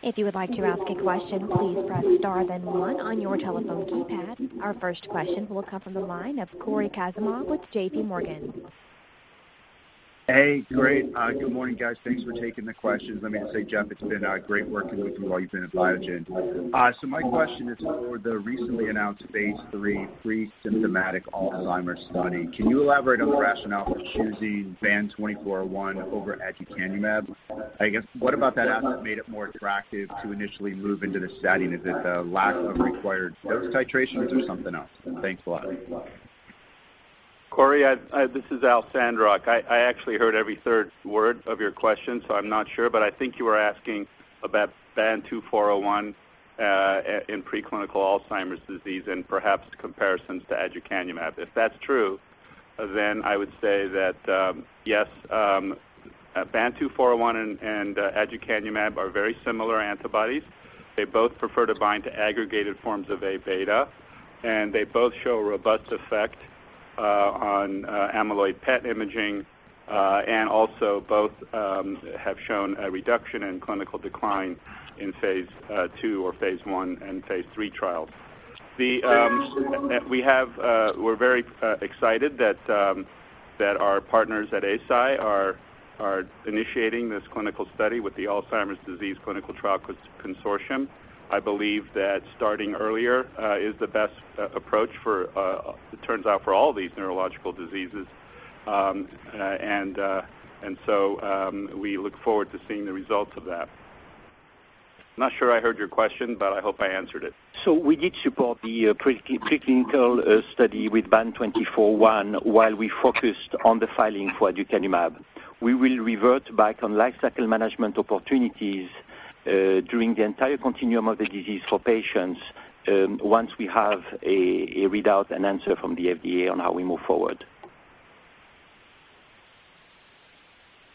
If you would like to ask a question, please press star then one on your telephone keypad. Our first question will come from the line of Cory Kasimov with JPMorgan. Hey, great. Good morning, guys. Thanks for taking the questions. Let me just say, Jeff, it's been great working with you while you've been at Biogen. My question is for the recently announced phase III pre-symptomatic Alzheimer's study. Can you elaborate on the rationale for choosing BAN2401 over aducanumab? I guess what about that asset made it more attractive to initially move into this setting? Is it the lack of required dose titrations or something else? Thanks a lot. Cory, this is Al Sandrock. I actually heard every third word of your question, so I'm not sure, but I think you were asking about BAN2401 in preclinical Alzheimer's disease and perhaps comparisons to aducanumab. If that's true, then I would say that, yes, BAN2401 and aducanumab are very similar antibodies. They both prefer to bind to aggregated forms of A-beta, and they both show a robust effect on amyloid PET imaging. Also both have shown a reduction in clinical decline in phase II or phase I and phase III trials. We're very excited that our partners at Eisai are initiating this clinical study with the Alzheimer's Clinical Trials Consortium. I believe that starting earlier is the best approach for, it turns out, for all these neurological diseases. We look forward to seeing the results of that. Not sure I heard your question, but I hope I answered it. We did support the preclinical study with BAN2401 while we focused on the filing for aducanumab. We will revert back on lifecycle management opportunities during the entire continuum of the disease for patients once we have a readout and answer from the FDA on how we move forward.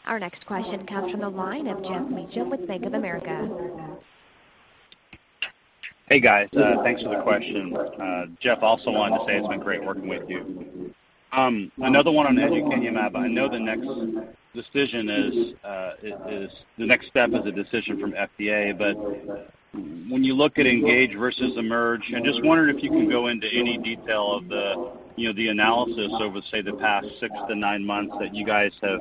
Our next question comes from the line of Geoff Meacham with Bank of America. Hey, guys. Thanks for the question. Jeff, also wanted to say it's been great working with you. Another one on aducanumab. I know the next step is a decision from FDA. When you look at ENGAGE versus EMERGE, I'm just wondering if you can go into any detail of the analysis over, say, the past six to nine months that you guys have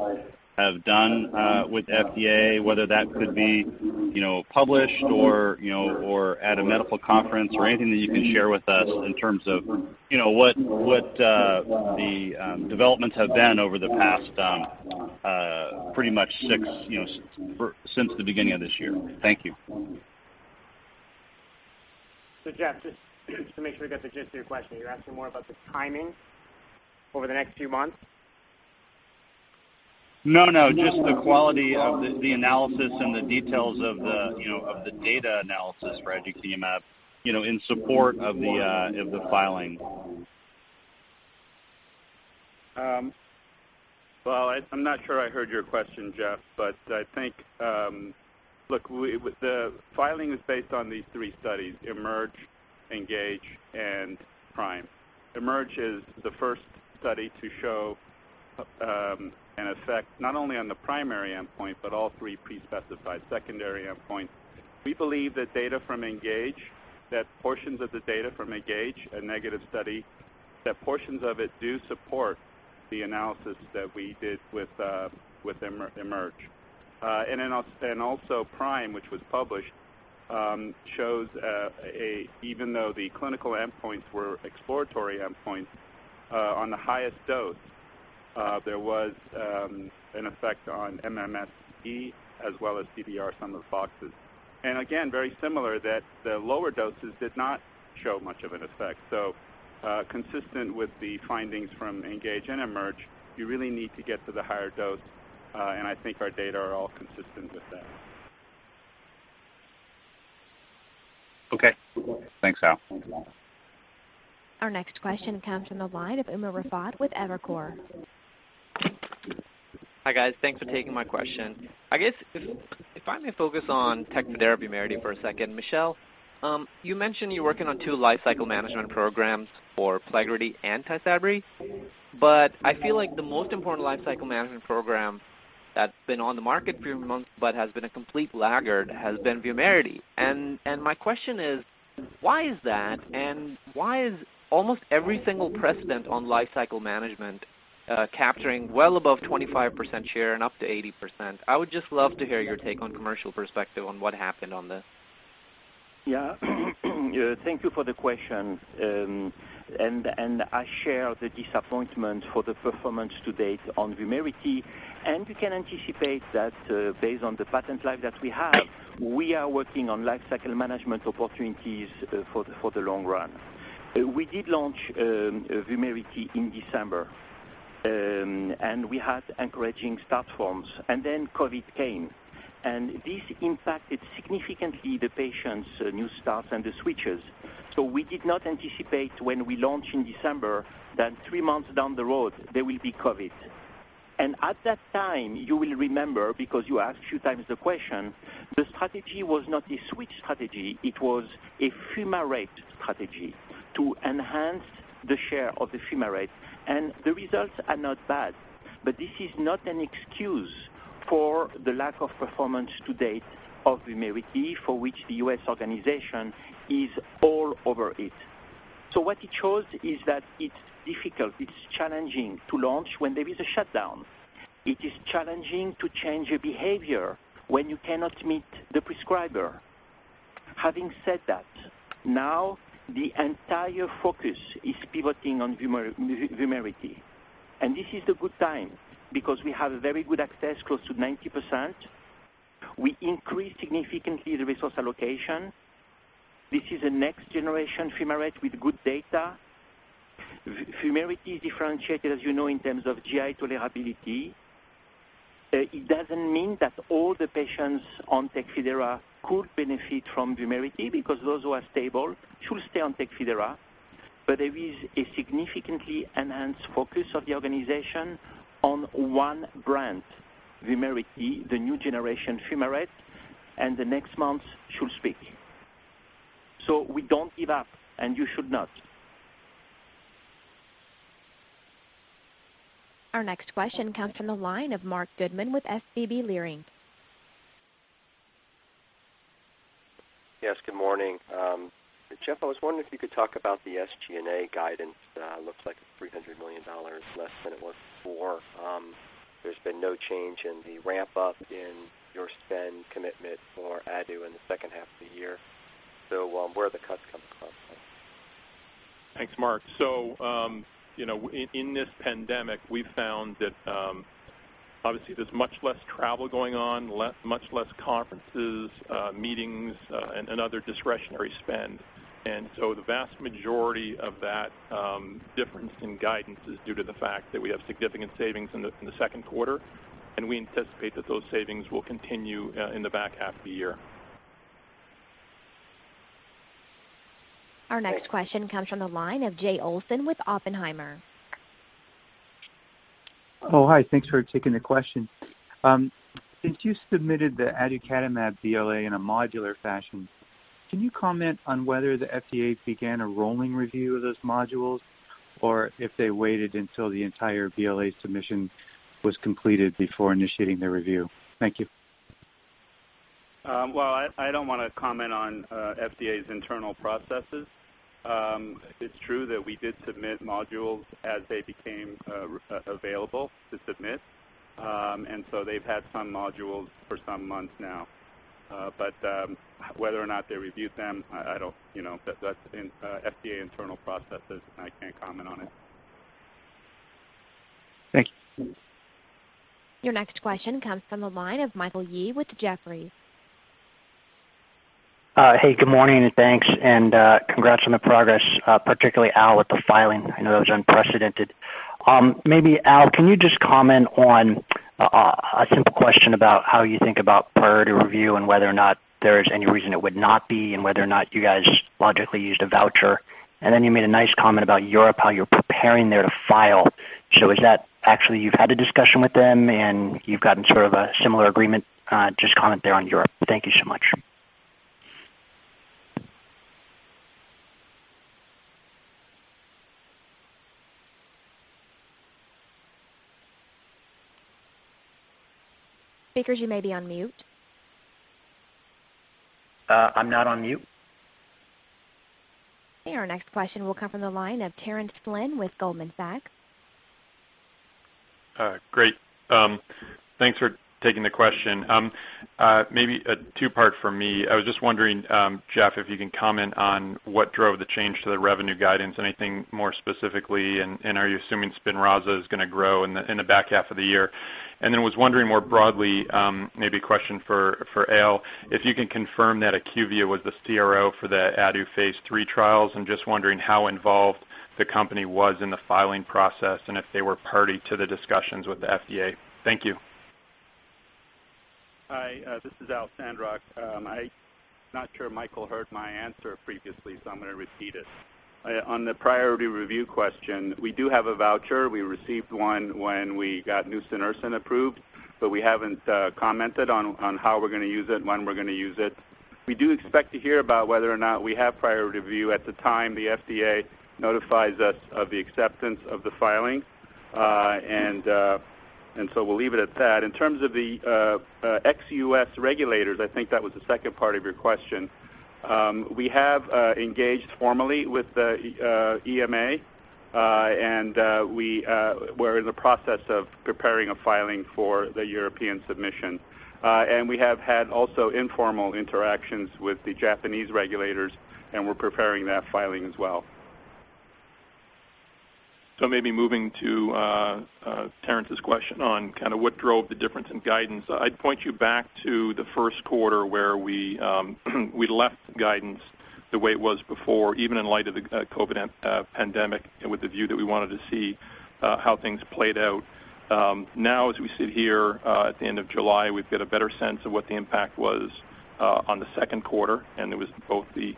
done with FDA, whether that could be published or at a medical conference or anything that you can share with us in terms of what the developments have been over the past pretty much since the beginning of this year. Thank you. Jeff, just to make sure I get the gist of your question, you're asking more about the timing over the next few months? No, just the quality of the analysis and the details of the data analysis for aducanumab in support of the filing. Well, I'm not sure I heard your question, Geoff, I think the filing is based on these three studies: EMERGE, ENGAGE, and PRIME. EMERGE is the first study to show an effect not only on the primary endpoint but all three pre-specified secondary endpoints. We believe that portions of the data from ENGAGE, a negative study, do support the analysis that we did with EMERGE. Also PRIME, which was published, shows even though the clinical endpoints were exploratory endpoints on the highest dose there was an effect on MMSE as well as CDR-Sum of Boxes. Again, very similar that the lower doses did not show much of an effect. Consistent with the findings from ENGAGE and EMERGE, you really need to get to the higher dose. I think our data are all consistent with that. Okay. Thanks, Al. Our next question comes from the line of Umer Raffat with Evercore. Hi, guys. Thanks for taking my question. I guess if I may focus on Tecfidera, Vumerity for a second. Michel, you mentioned you're working on two lifecycle management programs for Plegridy and Tysabri. I feel like the most important lifecycle management program That's been on the market for a few months but has been a complete laggard, has been Vumerity. My question is, why is that, and why is almost every single precedent on life cycle management capturing well above 25% share and up to 80%? I would just love to hear your take on commercial perspective on what happened on this. Yeah. Thank you for the question. I share the disappointment for the performance to date on VUMERITY. We can anticipate that based on the patent life that we have, we are working on life cycle management opportunities for the long run. We did launch VUMERITY in December, and we had encouraging start forms. COVID came, and this impacted significantly the patients, new starts, and the switchers. We did not anticipate when we launched in December that three months down the road there will be COVID. At that time, you will remember, because you asked a few times the question, the strategy was not a switch strategy, it was a fumarate strategy to enhance the share of the fumarate. The results are not bad. This is not an excuse for the lack of performance to date of Vumerity, for which the U.S. organization is all over it. What it shows is that it's difficult, it's challenging to launch when there is a shutdown. It is challenging to change a behavior when you cannot meet the prescriber. Having said that, now the entire focus is pivoting on Vumerity. This is a good time because we have very good access, close to 90%. We increased significantly the resource allocation. This is a next-generation fumarate with good data. Vumerity differentiated, as you know, in terms of GI tolerability. It doesn't mean that all the patients on Tecfidera could benefit from Vumerity, because those who are stable should stay on Tecfidera. There is a significantly enhanced focus of the organization on one brand, Vumerity, the new generation fumarate, and the next months should speak. We don't give up, and you should not. Our next question comes from the line of Marc Goodman with SVB Leerink. Yes, good morning. Jeff, I was wondering if you could talk about the SG&A guidance. Looks like $300 million less than it was before. There's been no change in the ramp-up in your spend commitment for Adu in the second half of the year. Where are the cuts coming from? Thanks, Marc. In this pandemic, we've found that obviously there's much less travel going on, much less conferences, meetings, and other discretionary spend. The vast majority of that difference in guidance is due to the fact that we have significant savings in the second quarter, and we anticipate that those savings will continue in the back half of the year. Our next question comes from the line of Jay Olson with Oppenheimer. Oh, hi. Thanks for taking the question. Since you submitted the aducanumab BLA in a modular fashion, can you comment on whether the FDA began a rolling review of those modules or if they waited until the entire BLA submission was completed before initiating their review? Thank you. Well, I don't want to comment on FDA's internal processes. It's true that we did submit modules as they became available to submit. They've had some modules for some months now. Whether or not they reviewed them, that's FDA internal processes, and I can't comment on it. Thank you. Your next question comes from the line of Michael Yee with Jefferies. Good morning, thanks, and congrats on the progress, particularly Al, with the filing. I know that was unprecedented. Maybe Al, can you just comment on a simple question about how you think about priority review and whether or not there is any reason it would not be, and whether or not you guys logically used a voucher? You made a nice comment about Europe, how you're preparing there to file. Is that actually you've had a discussion with them and you've gotten sort of a similar agreement? Just comment there on Europe. Thank you so much. Speakers, you may be on mute. I'm not on mute. Okay, our next question will come from the line of Terence Flynn with Goldman Sachs. Great. Thanks for taking the question. Maybe a two-part from me. I was just wondering, Jeff, if you can comment on what drove the change to the revenue guidance, anything more specifically, and are you assuming SPINRAZA is going to grow in the back half of the year? Was wondering more broadly, maybe a question for Al, if you can confirm that IQVIA was the CRO for the adu phase III trials, and just wondering how involved the company was in the filing process and if they were party to the discussions with the FDA. Thank you. Hi, this is Al Sandrock. I'm not sure Michael heard my answer previously, so I'm going to repeat it. On the priority review question, we do have a voucher. We received one when we got nusinersen approved, but we haven't commented on how we're going to use it, when we're going to use it. We do expect to hear about whether or not we have priority review at the time the FDA notifies us of the acceptance of the filing. We'll leave it at that. In terms of the ex-U.S. regulators, I think that was the second part of your question. We have engaged formally with the EMA, and we're in the process of preparing a filing for the European submission. We have had also informal interactions with the Japanese regulators, and we're preparing that filing as well. Maybe moving to Terence's question on kind of what drove the difference in guidance. I'd point you back to the first quarter where we left guidance the way it was before, even in light of the COVID pandemic and with the view that we wanted to see how things played out. Now, as we sit here at the end of July, we've got a better sense of what the impact was on the second quarter. It was both the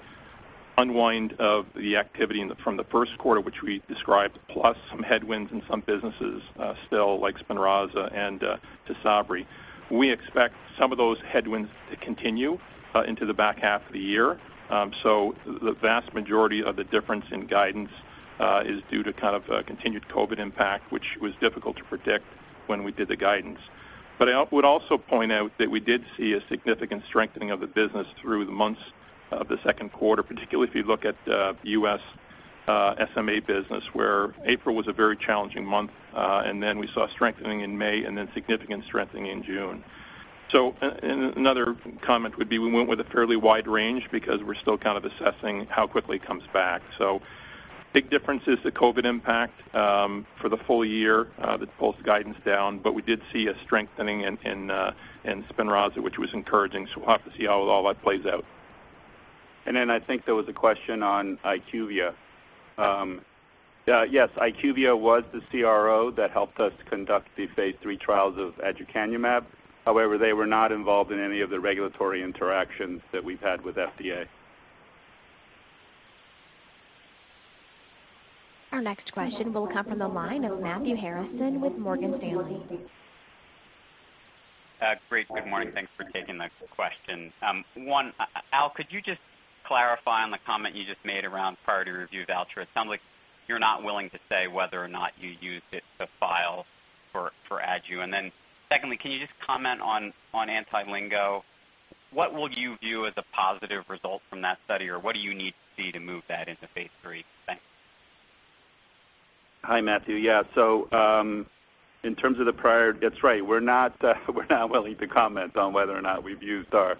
unwind of the activity from the first quarter, which we described, plus some headwinds in some businesses still like SPINRAZA and TYSABRI. We expect some of those headwinds to continue into the back half of the year. The vast majority of the difference in guidance is due to kind of continued COVID impact, which was difficult to predict when we did the guidance. I would also point out that we did see a significant strengthening of the business through the months of the second quarter, particularly if you look at U.S. SMA business, where April was a very challenging month, and then we saw strengthening in May and then significant strengthening in June. Another comment would be we went with a fairly wide range because we're still kind of assessing how quickly it comes back. Big difference is the COVID impact for the full year that pulls the guidance down. We did see a strengthening in SPINRAZA, which was encouraging. We'll have to see how all that plays out. I think there was a question on IQVIA. Yes, IQVIA was the CRO that helped us conduct the phase III trials of aducanumab. However, they were not involved in any of the regulatory interactions that we've had with FDA. Our next question will come from the line of Matthew Harrison with Morgan Stanley. Great. Good morning. Thanks for taking the question. One, Al, could you just clarify on the comment you just made around priority review voucher? It sounds like you're not willing to say whether or not you used it to file for Adu. Secondly, can you just comment on anti-LINGO-1? What will you view as a positive result from that study? What do you need to see to move that into phase III? Thanks. Hi, Matthew. Yeah. In terms of the prior, that's right. We're not willing to comment on whether or not we've used our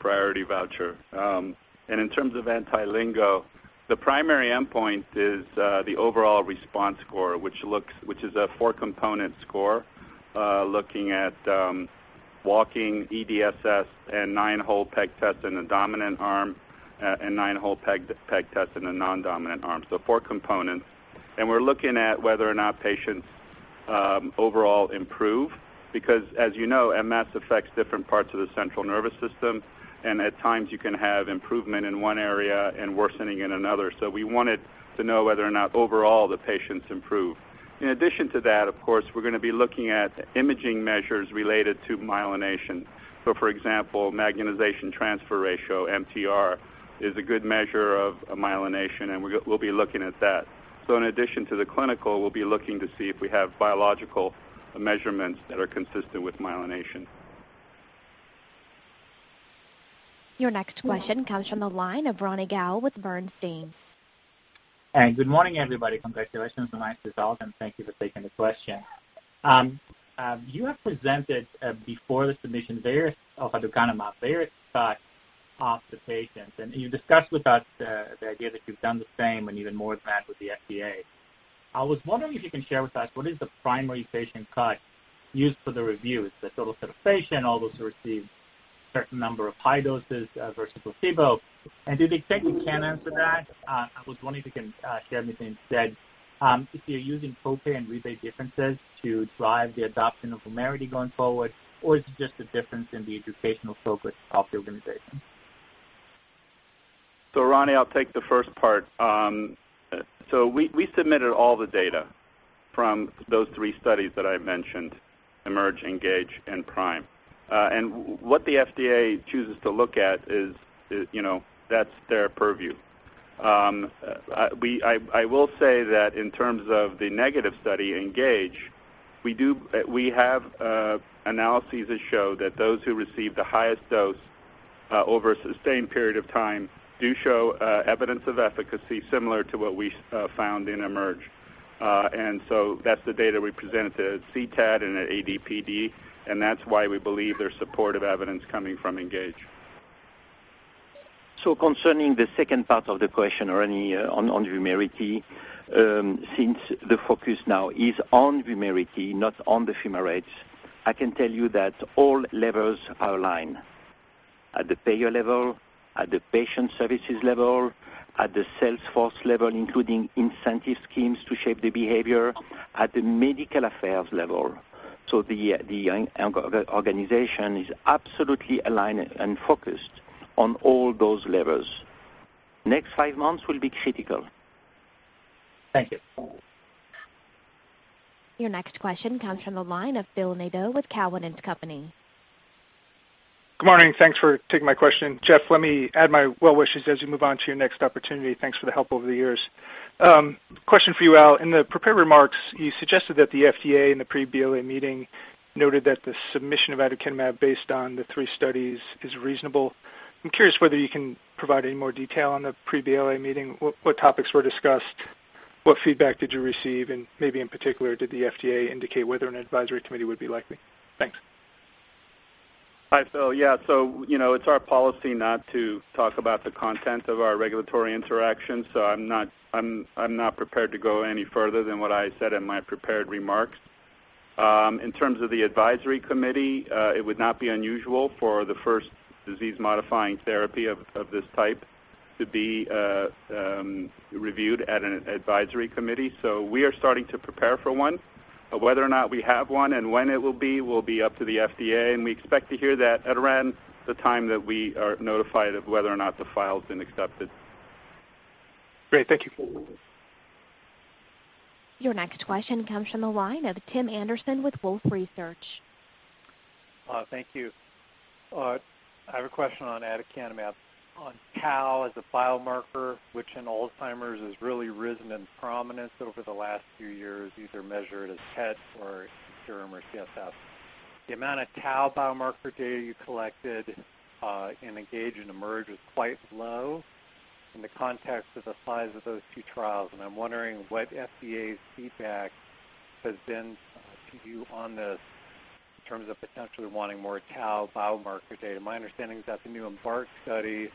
priority voucher. In terms of anti-LINGO-1, the primary endpoint is the Overall Response Score, which is a four-component score looking at walking, EDSS, and Nine-Hole Peg Test in a dominant arm, and Nine-Hole Peg Test in a non-dominant arm. Four components. We're looking at whether or not patients overall improve because as you know, MS affects different parts of the central nervous system. At times you can have improvement in one area and worsening in another. We wanted to know whether or not overall the patients improve. In addition to that, of course, we're going to be looking at imaging measures related to myelination. For example, magnetization transfer ratio, MTR, is a good measure of myelination, and we'll be looking at that. In addition to the clinical, we'll be looking to see if we have biological measurements that are consistent with myelination. Your next question comes from the line of Ronny Gal with Bernstein. Good morning, everybody. Congratulations on the nice result, and thank you for taking the question. You have presented before the submission various aducanumab, various cuts of the patients, and you discussed with us the idea that you've done the same and even more of that with the FDA. I was wondering if you can share with us what is the primary patient cut used for the review. Is the total certification, all those who received certain number of high doses versus placebo? If you take a chance at that, I was wondering if you can share with me instead if you're using copay and rebate differences to drive the adoption of VUMERITY going forward, or is it just a difference in the educational focus of the organization? Ronny, I'll take the first part. We submitted all the data from those three studies that I mentioned, EMERGE, ENGAGE, and PRIME. What the FDA chooses to look at is, that's their purview. I will say that in terms of the negative study, ENGAGE, we have analyses that show that those who receive the highest dose over a sustained period of time do show evidence of efficacy similar to what we found in EMERGE. That's the data we presented to CTAD and at ADPD, and that's why we believe there's supportive evidence coming from ENGAGE. Concerning the second part of the question, Ronny, on VUMERITY, since the focus now is on VUMERITY, not on the fumarates, I can tell you that all levels are aligned. At the payer level, at the patient services level, at the sales force level, including incentive schemes to shape the behavior, at the medical affairs level. The organization is absolutely aligned and focused on all those levels. Next five months will be critical. Thank you. Your next question comes from the line of Phil Nadeau with Cowen and Company. Good morning. Thanks for taking my question. Jeff, let me add my well wishes as you move on to your next opportunity. Thanks for the help over the years. Question for you, Al. In the prepared remarks, you suggested that the FDA and the pre-BLA meeting noted that the submission of aducanumab based on the three studies is reasonable. I'm curious whether you can provide any more detail on the pre-BLA meeting. What topics were discussed? What feedback did you receive? Maybe in particular, did the FDA indicate whether an advisory committee would be likely? Thanks. Hi, Phil. Yeah. It's our policy not to talk about the content of our regulatory interactions, so I'm not prepared to go any further than what I said in my prepared remarks. In terms of the advisory committee, it would not be unusual for the first disease-modifying therapy of this type to be reviewed at an advisory committee. We are starting to prepare for one. Whether or not we have one and when it will be will be up to the FDA, and we expect to hear that at around the time that we are notified of whether or not the file's been accepted. Great. Thank you. Your next question comes from the line of Tim Anderson with Wolfe Research. Thank you. I have a question on aducanumab. On tau as a biomarker, which in Alzheimer's has really risen in prominence over the last few years, either measured as PET or serum or CSF. The amount of tau biomarker data you collected in ENGAGE and EMERGE was quite low in the context of the size of those two trials. I'm wondering what FDA's feedback has been to you on this in terms of potentially wanting more tau biomarker data. My understanding is that the new EMBARK study,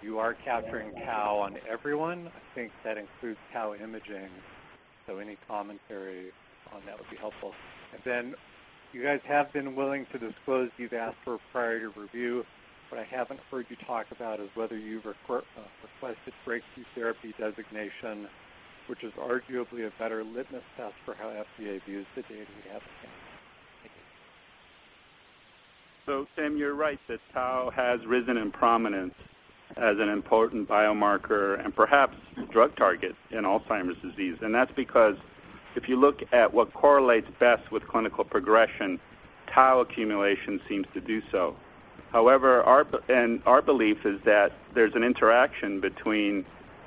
you are capturing tau on everyone. I think that includes tau imaging. Any commentary on that would be helpful. You guys have been willing to disclose you've asked for a priority review, what I haven't heard you talk about is whether you've requested breakthrough therapy designation, which is arguably a better litmus test for how FDA views the data you have. Thank you. Tim, you're right that tau has risen in prominence as an important biomarker and perhaps drug target in Alzheimer's disease. That's because if you look at what correlates best with clinical progression, tau accumulation seems to do so. However, our belief is that there's an interaction between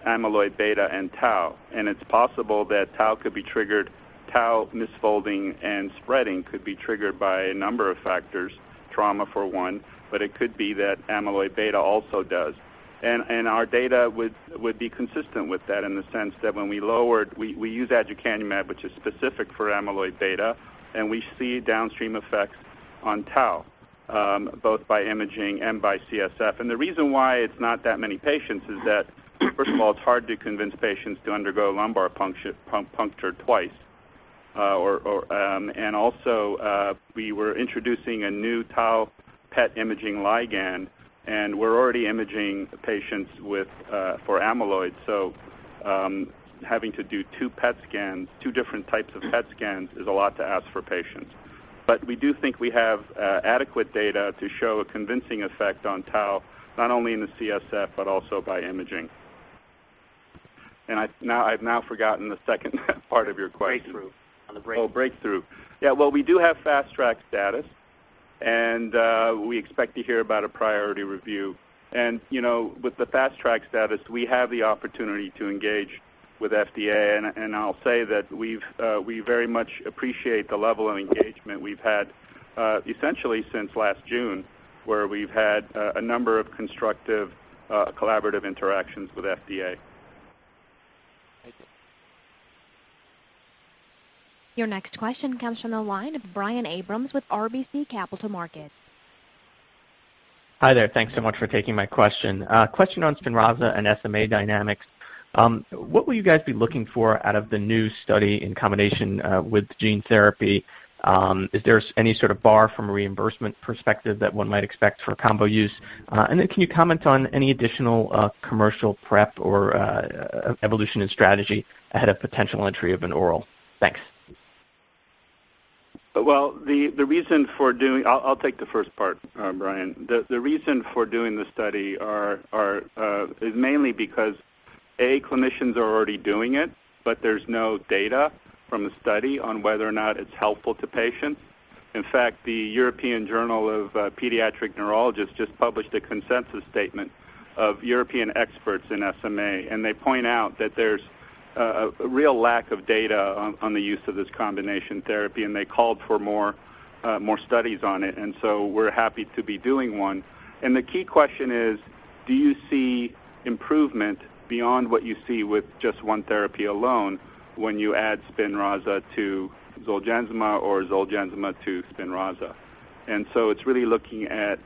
amyloid beta and tau, and it's possible that tau could be triggered, tau misfolding and spreading could be triggered by a number of factors, trauma for one, but it could be that amyloid beta also does. Our data would be consistent with that in the sense that when we lowered, we use aducanumab, which is specific for amyloid beta, and we see downstream effects on tau, both by imaging and by CSF. The reason why it's not that many patients is that, first of all, it's hard to convince patients to undergo a lumbar puncture twice. Also, we were introducing a new tau PET imaging ligand, and we're already imaging patients for amyloid. Having to do two PET scans, two different types of PET scans is a lot to ask for patients. We do think we have adequate data to show a convincing effect on tau, not only in the CSF, but also by imaging. I've now forgotten the second part of your question. Breakthrough. On the breakthrough. Oh, breakthrough. Yeah. Well, we do have Fast Track status, and we expect to hear about a priority review. With the Fast Track status, we have the opportunity to engage with FDA, and I'll say that we very much appreciate the level of engagement we've had, essentially since last June, where we've had a number of constructive, collaborative interactions with FDA. Thank you. Your next question comes from the line of Brian Abrahams with RBC Capital Markets. Hi there. Thanks so much for taking my question. Question on SPINRAZA and SMA dynamics. What will you guys be looking for out of the new study in combination with gene therapy? Is there any sort of bar from a reimbursement perspective that one might expect for combo use? Can you comment on any additional commercial prep or evolution in strategy ahead of potential entry of an oral? Thanks. I'll take the first part, Brian. The reason for doing the study is mainly because, A, clinicians are already doing it, but there's no data from a study on whether or not it's helpful to patients. In fact, the European Journal of Paediatric Neurology just published a consensus statement of European experts in SMA. They point out that there's a real lack of data on the use of this combination therapy. They called for more studies on it. We're happy to be doing one. The key question is: do you see improvement beyond what you see with just one therapy alone when you add SPINRAZA to ZOLGENSMA or ZOLGENSMA to SPINRAZA? It's really looking at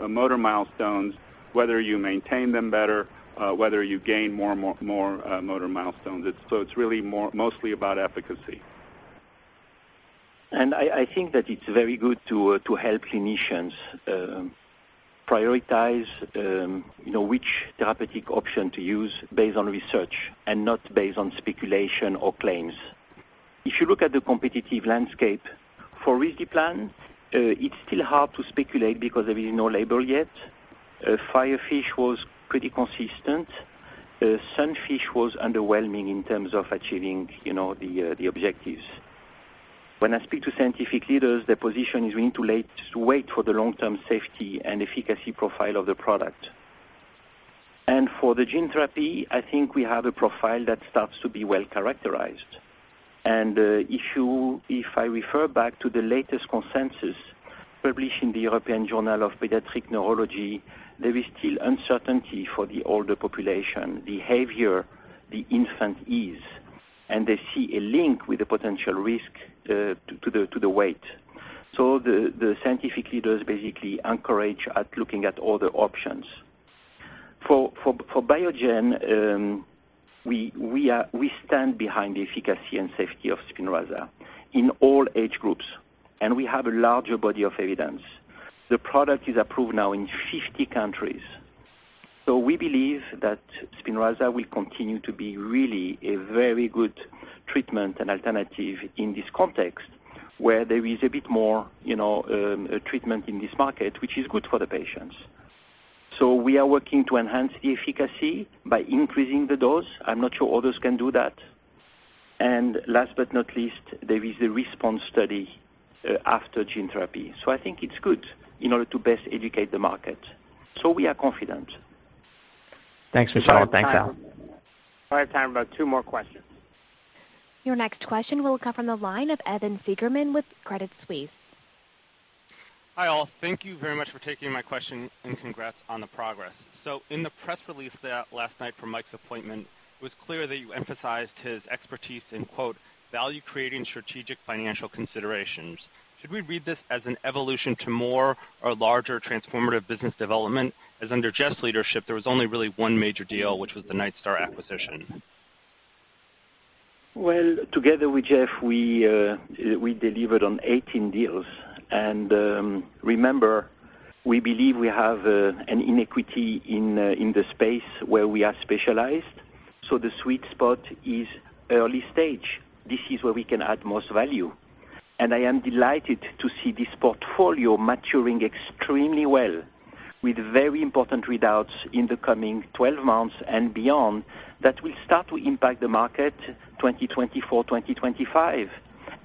motor milestones, whether you maintain them better, whether you gain more motor milestones. It's really mostly about efficacy. I think that it's very good to help clinicians prioritize which therapeutic option to use based on research and not based on speculation or claims. If you look at the competitive landscape for risdiplam, it's still hard to speculate because there is no label yet. FIREFISH was pretty consistent. SUNFISH was underwhelming in terms of achieving the objectives. When I speak to scientific leaders, their position is we need to wait for the long-term safety and efficacy profile of the product. For the gene therapy, I think we have a profile that starts to be well-characterized. If I refer back to the latest consensus published in the "European Journal of Paediatric Neurology," there is still uncertainty for the older population behavior, the infant, ease, and they see a link with the potential risk to the weight. The scientific leaders basically encourage at looking at other options. For Biogen, we stand behind the efficacy and safety of Spinraza in all age groups, and we have a larger body of evidence. The product is approved now in 50 countries. We believe that Spinraza will continue to be really a very good treatment and alternative in this context, where there is a bit more treatment in this market, which is good for the patients. We are working to enhance the efficacy by increasing the dose. I'm not sure others can do that. Last but not least, there is the RESPOND study after gene therapy. I think it's good in order to best educate the market. We are confident. Thanks, Michel. Thanks, Al. We have time for about two more questions. Your next question will come from the line of Evan Seigerman with Credit Suisse. Hi, all. Thank you very much for taking my question, and congrats on the progress. In the press release last night for Mike's appointment, it was clear that you emphasized his expertise in, quote, "value-creating strategic financial considerations." Should we read this as an evolution to more or larger transformative business development? As under Jeff's leadership, there was only really one major deal, which was the Nightstar acquisition. Well, together with Jeff, we delivered on 18 deals. Remember, we believe we have an equity in the space where we are specialized. The sweet spot is early stage. This is where we can add most value. I am delighted to see this portfolio maturing extremely well with very important readouts in the coming 12 months and beyond that will start to impact the market 2024, 2025.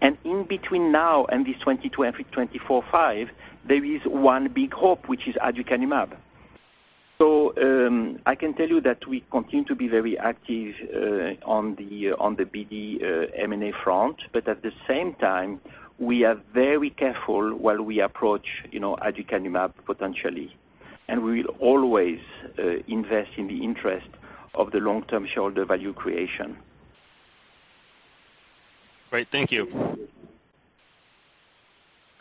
In between now and this 2024-5, there is one big hope, which is aducanumab. I can tell you that we continue to be very active on the BD M&A front. At the same time, we are very careful while we approach aducanumab potentially. We will always invest in the interest of the long-term shareholder value creation. Great. Thank you.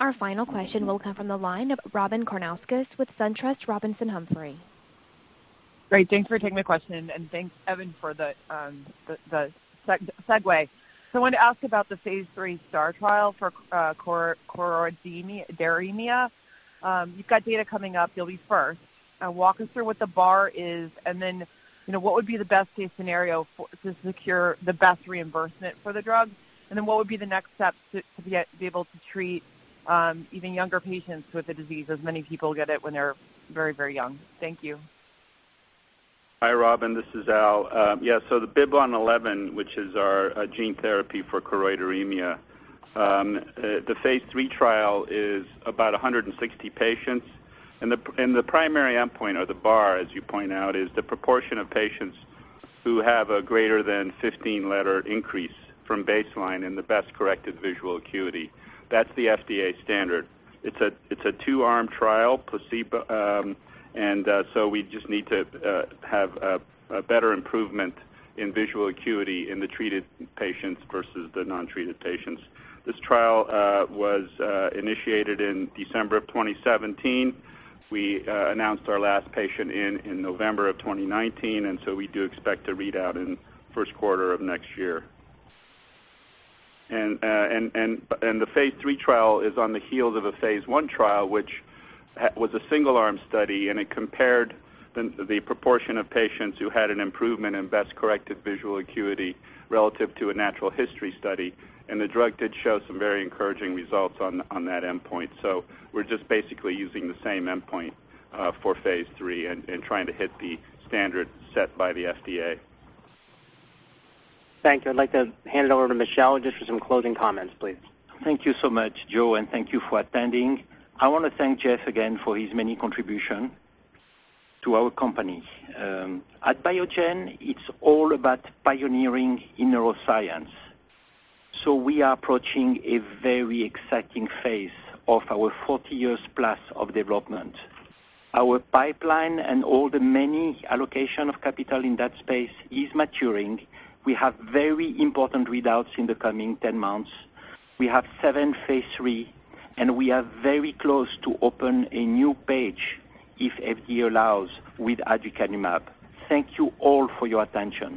Our final question will come from the line of Robyn Karnauskas with SunTrust Robinson Humphrey. Great. Thanks for taking the question. Thanks, Evan, for the segue. I wanted to ask about the phase III STAR trial for choroideremia. You've got data coming up. You'll be first. Walk us through what the bar is, what would be the best-case scenario to secure the best reimbursement for the drug? What would be the next steps to be able to treat even younger patients with the disease, as many people get it when they're very young? Thank you. Hi, Robyn. This is Al. Yeah, so the BIIB111, which is our gene therapy for choroideremia. The phase III trial is about 160 patients. The primary endpoint or the bar, as you point out, is the proportion of patients who have a greater than 15-letter increase from baseline in the best-corrected visual acuity. That's the FDA standard. It's a two-arm trial, placebo, and so we just need to have a better improvement in visual acuity in the treated patients versus the non-treated patients. This trial was initiated in December of 2017. We announced our last patient in November of 2019, and so we do expect a readout in first quarter of next year. The phase III trial is on the heels of a phase I trial, which was a single-arm study, and it compared the proportion of patients who had an improvement in best-corrected visual acuity relative to a natural history study. The drug did show some very encouraging results on that endpoint. We're just basically using the same endpoint for phase III and trying to hit the standard set by the FDA. Thank you. I'd like to hand it over to Michel just for some closing comments, please. Thank you so much, Joe. Thank you for attending. I want to thank Jeff again for his many contributions to our company. At Biogen, it's all about pioneering in neuroscience. We are approaching a very exciting phase of our 40 years plus of development. Our pipeline and all the many allocation of capital in that space is maturing. We have very important readouts in the coming 10 months. We have seven Phase III, and we are very close to open a new page, if FDA allows, with aducanumab. Thank you all for your attention.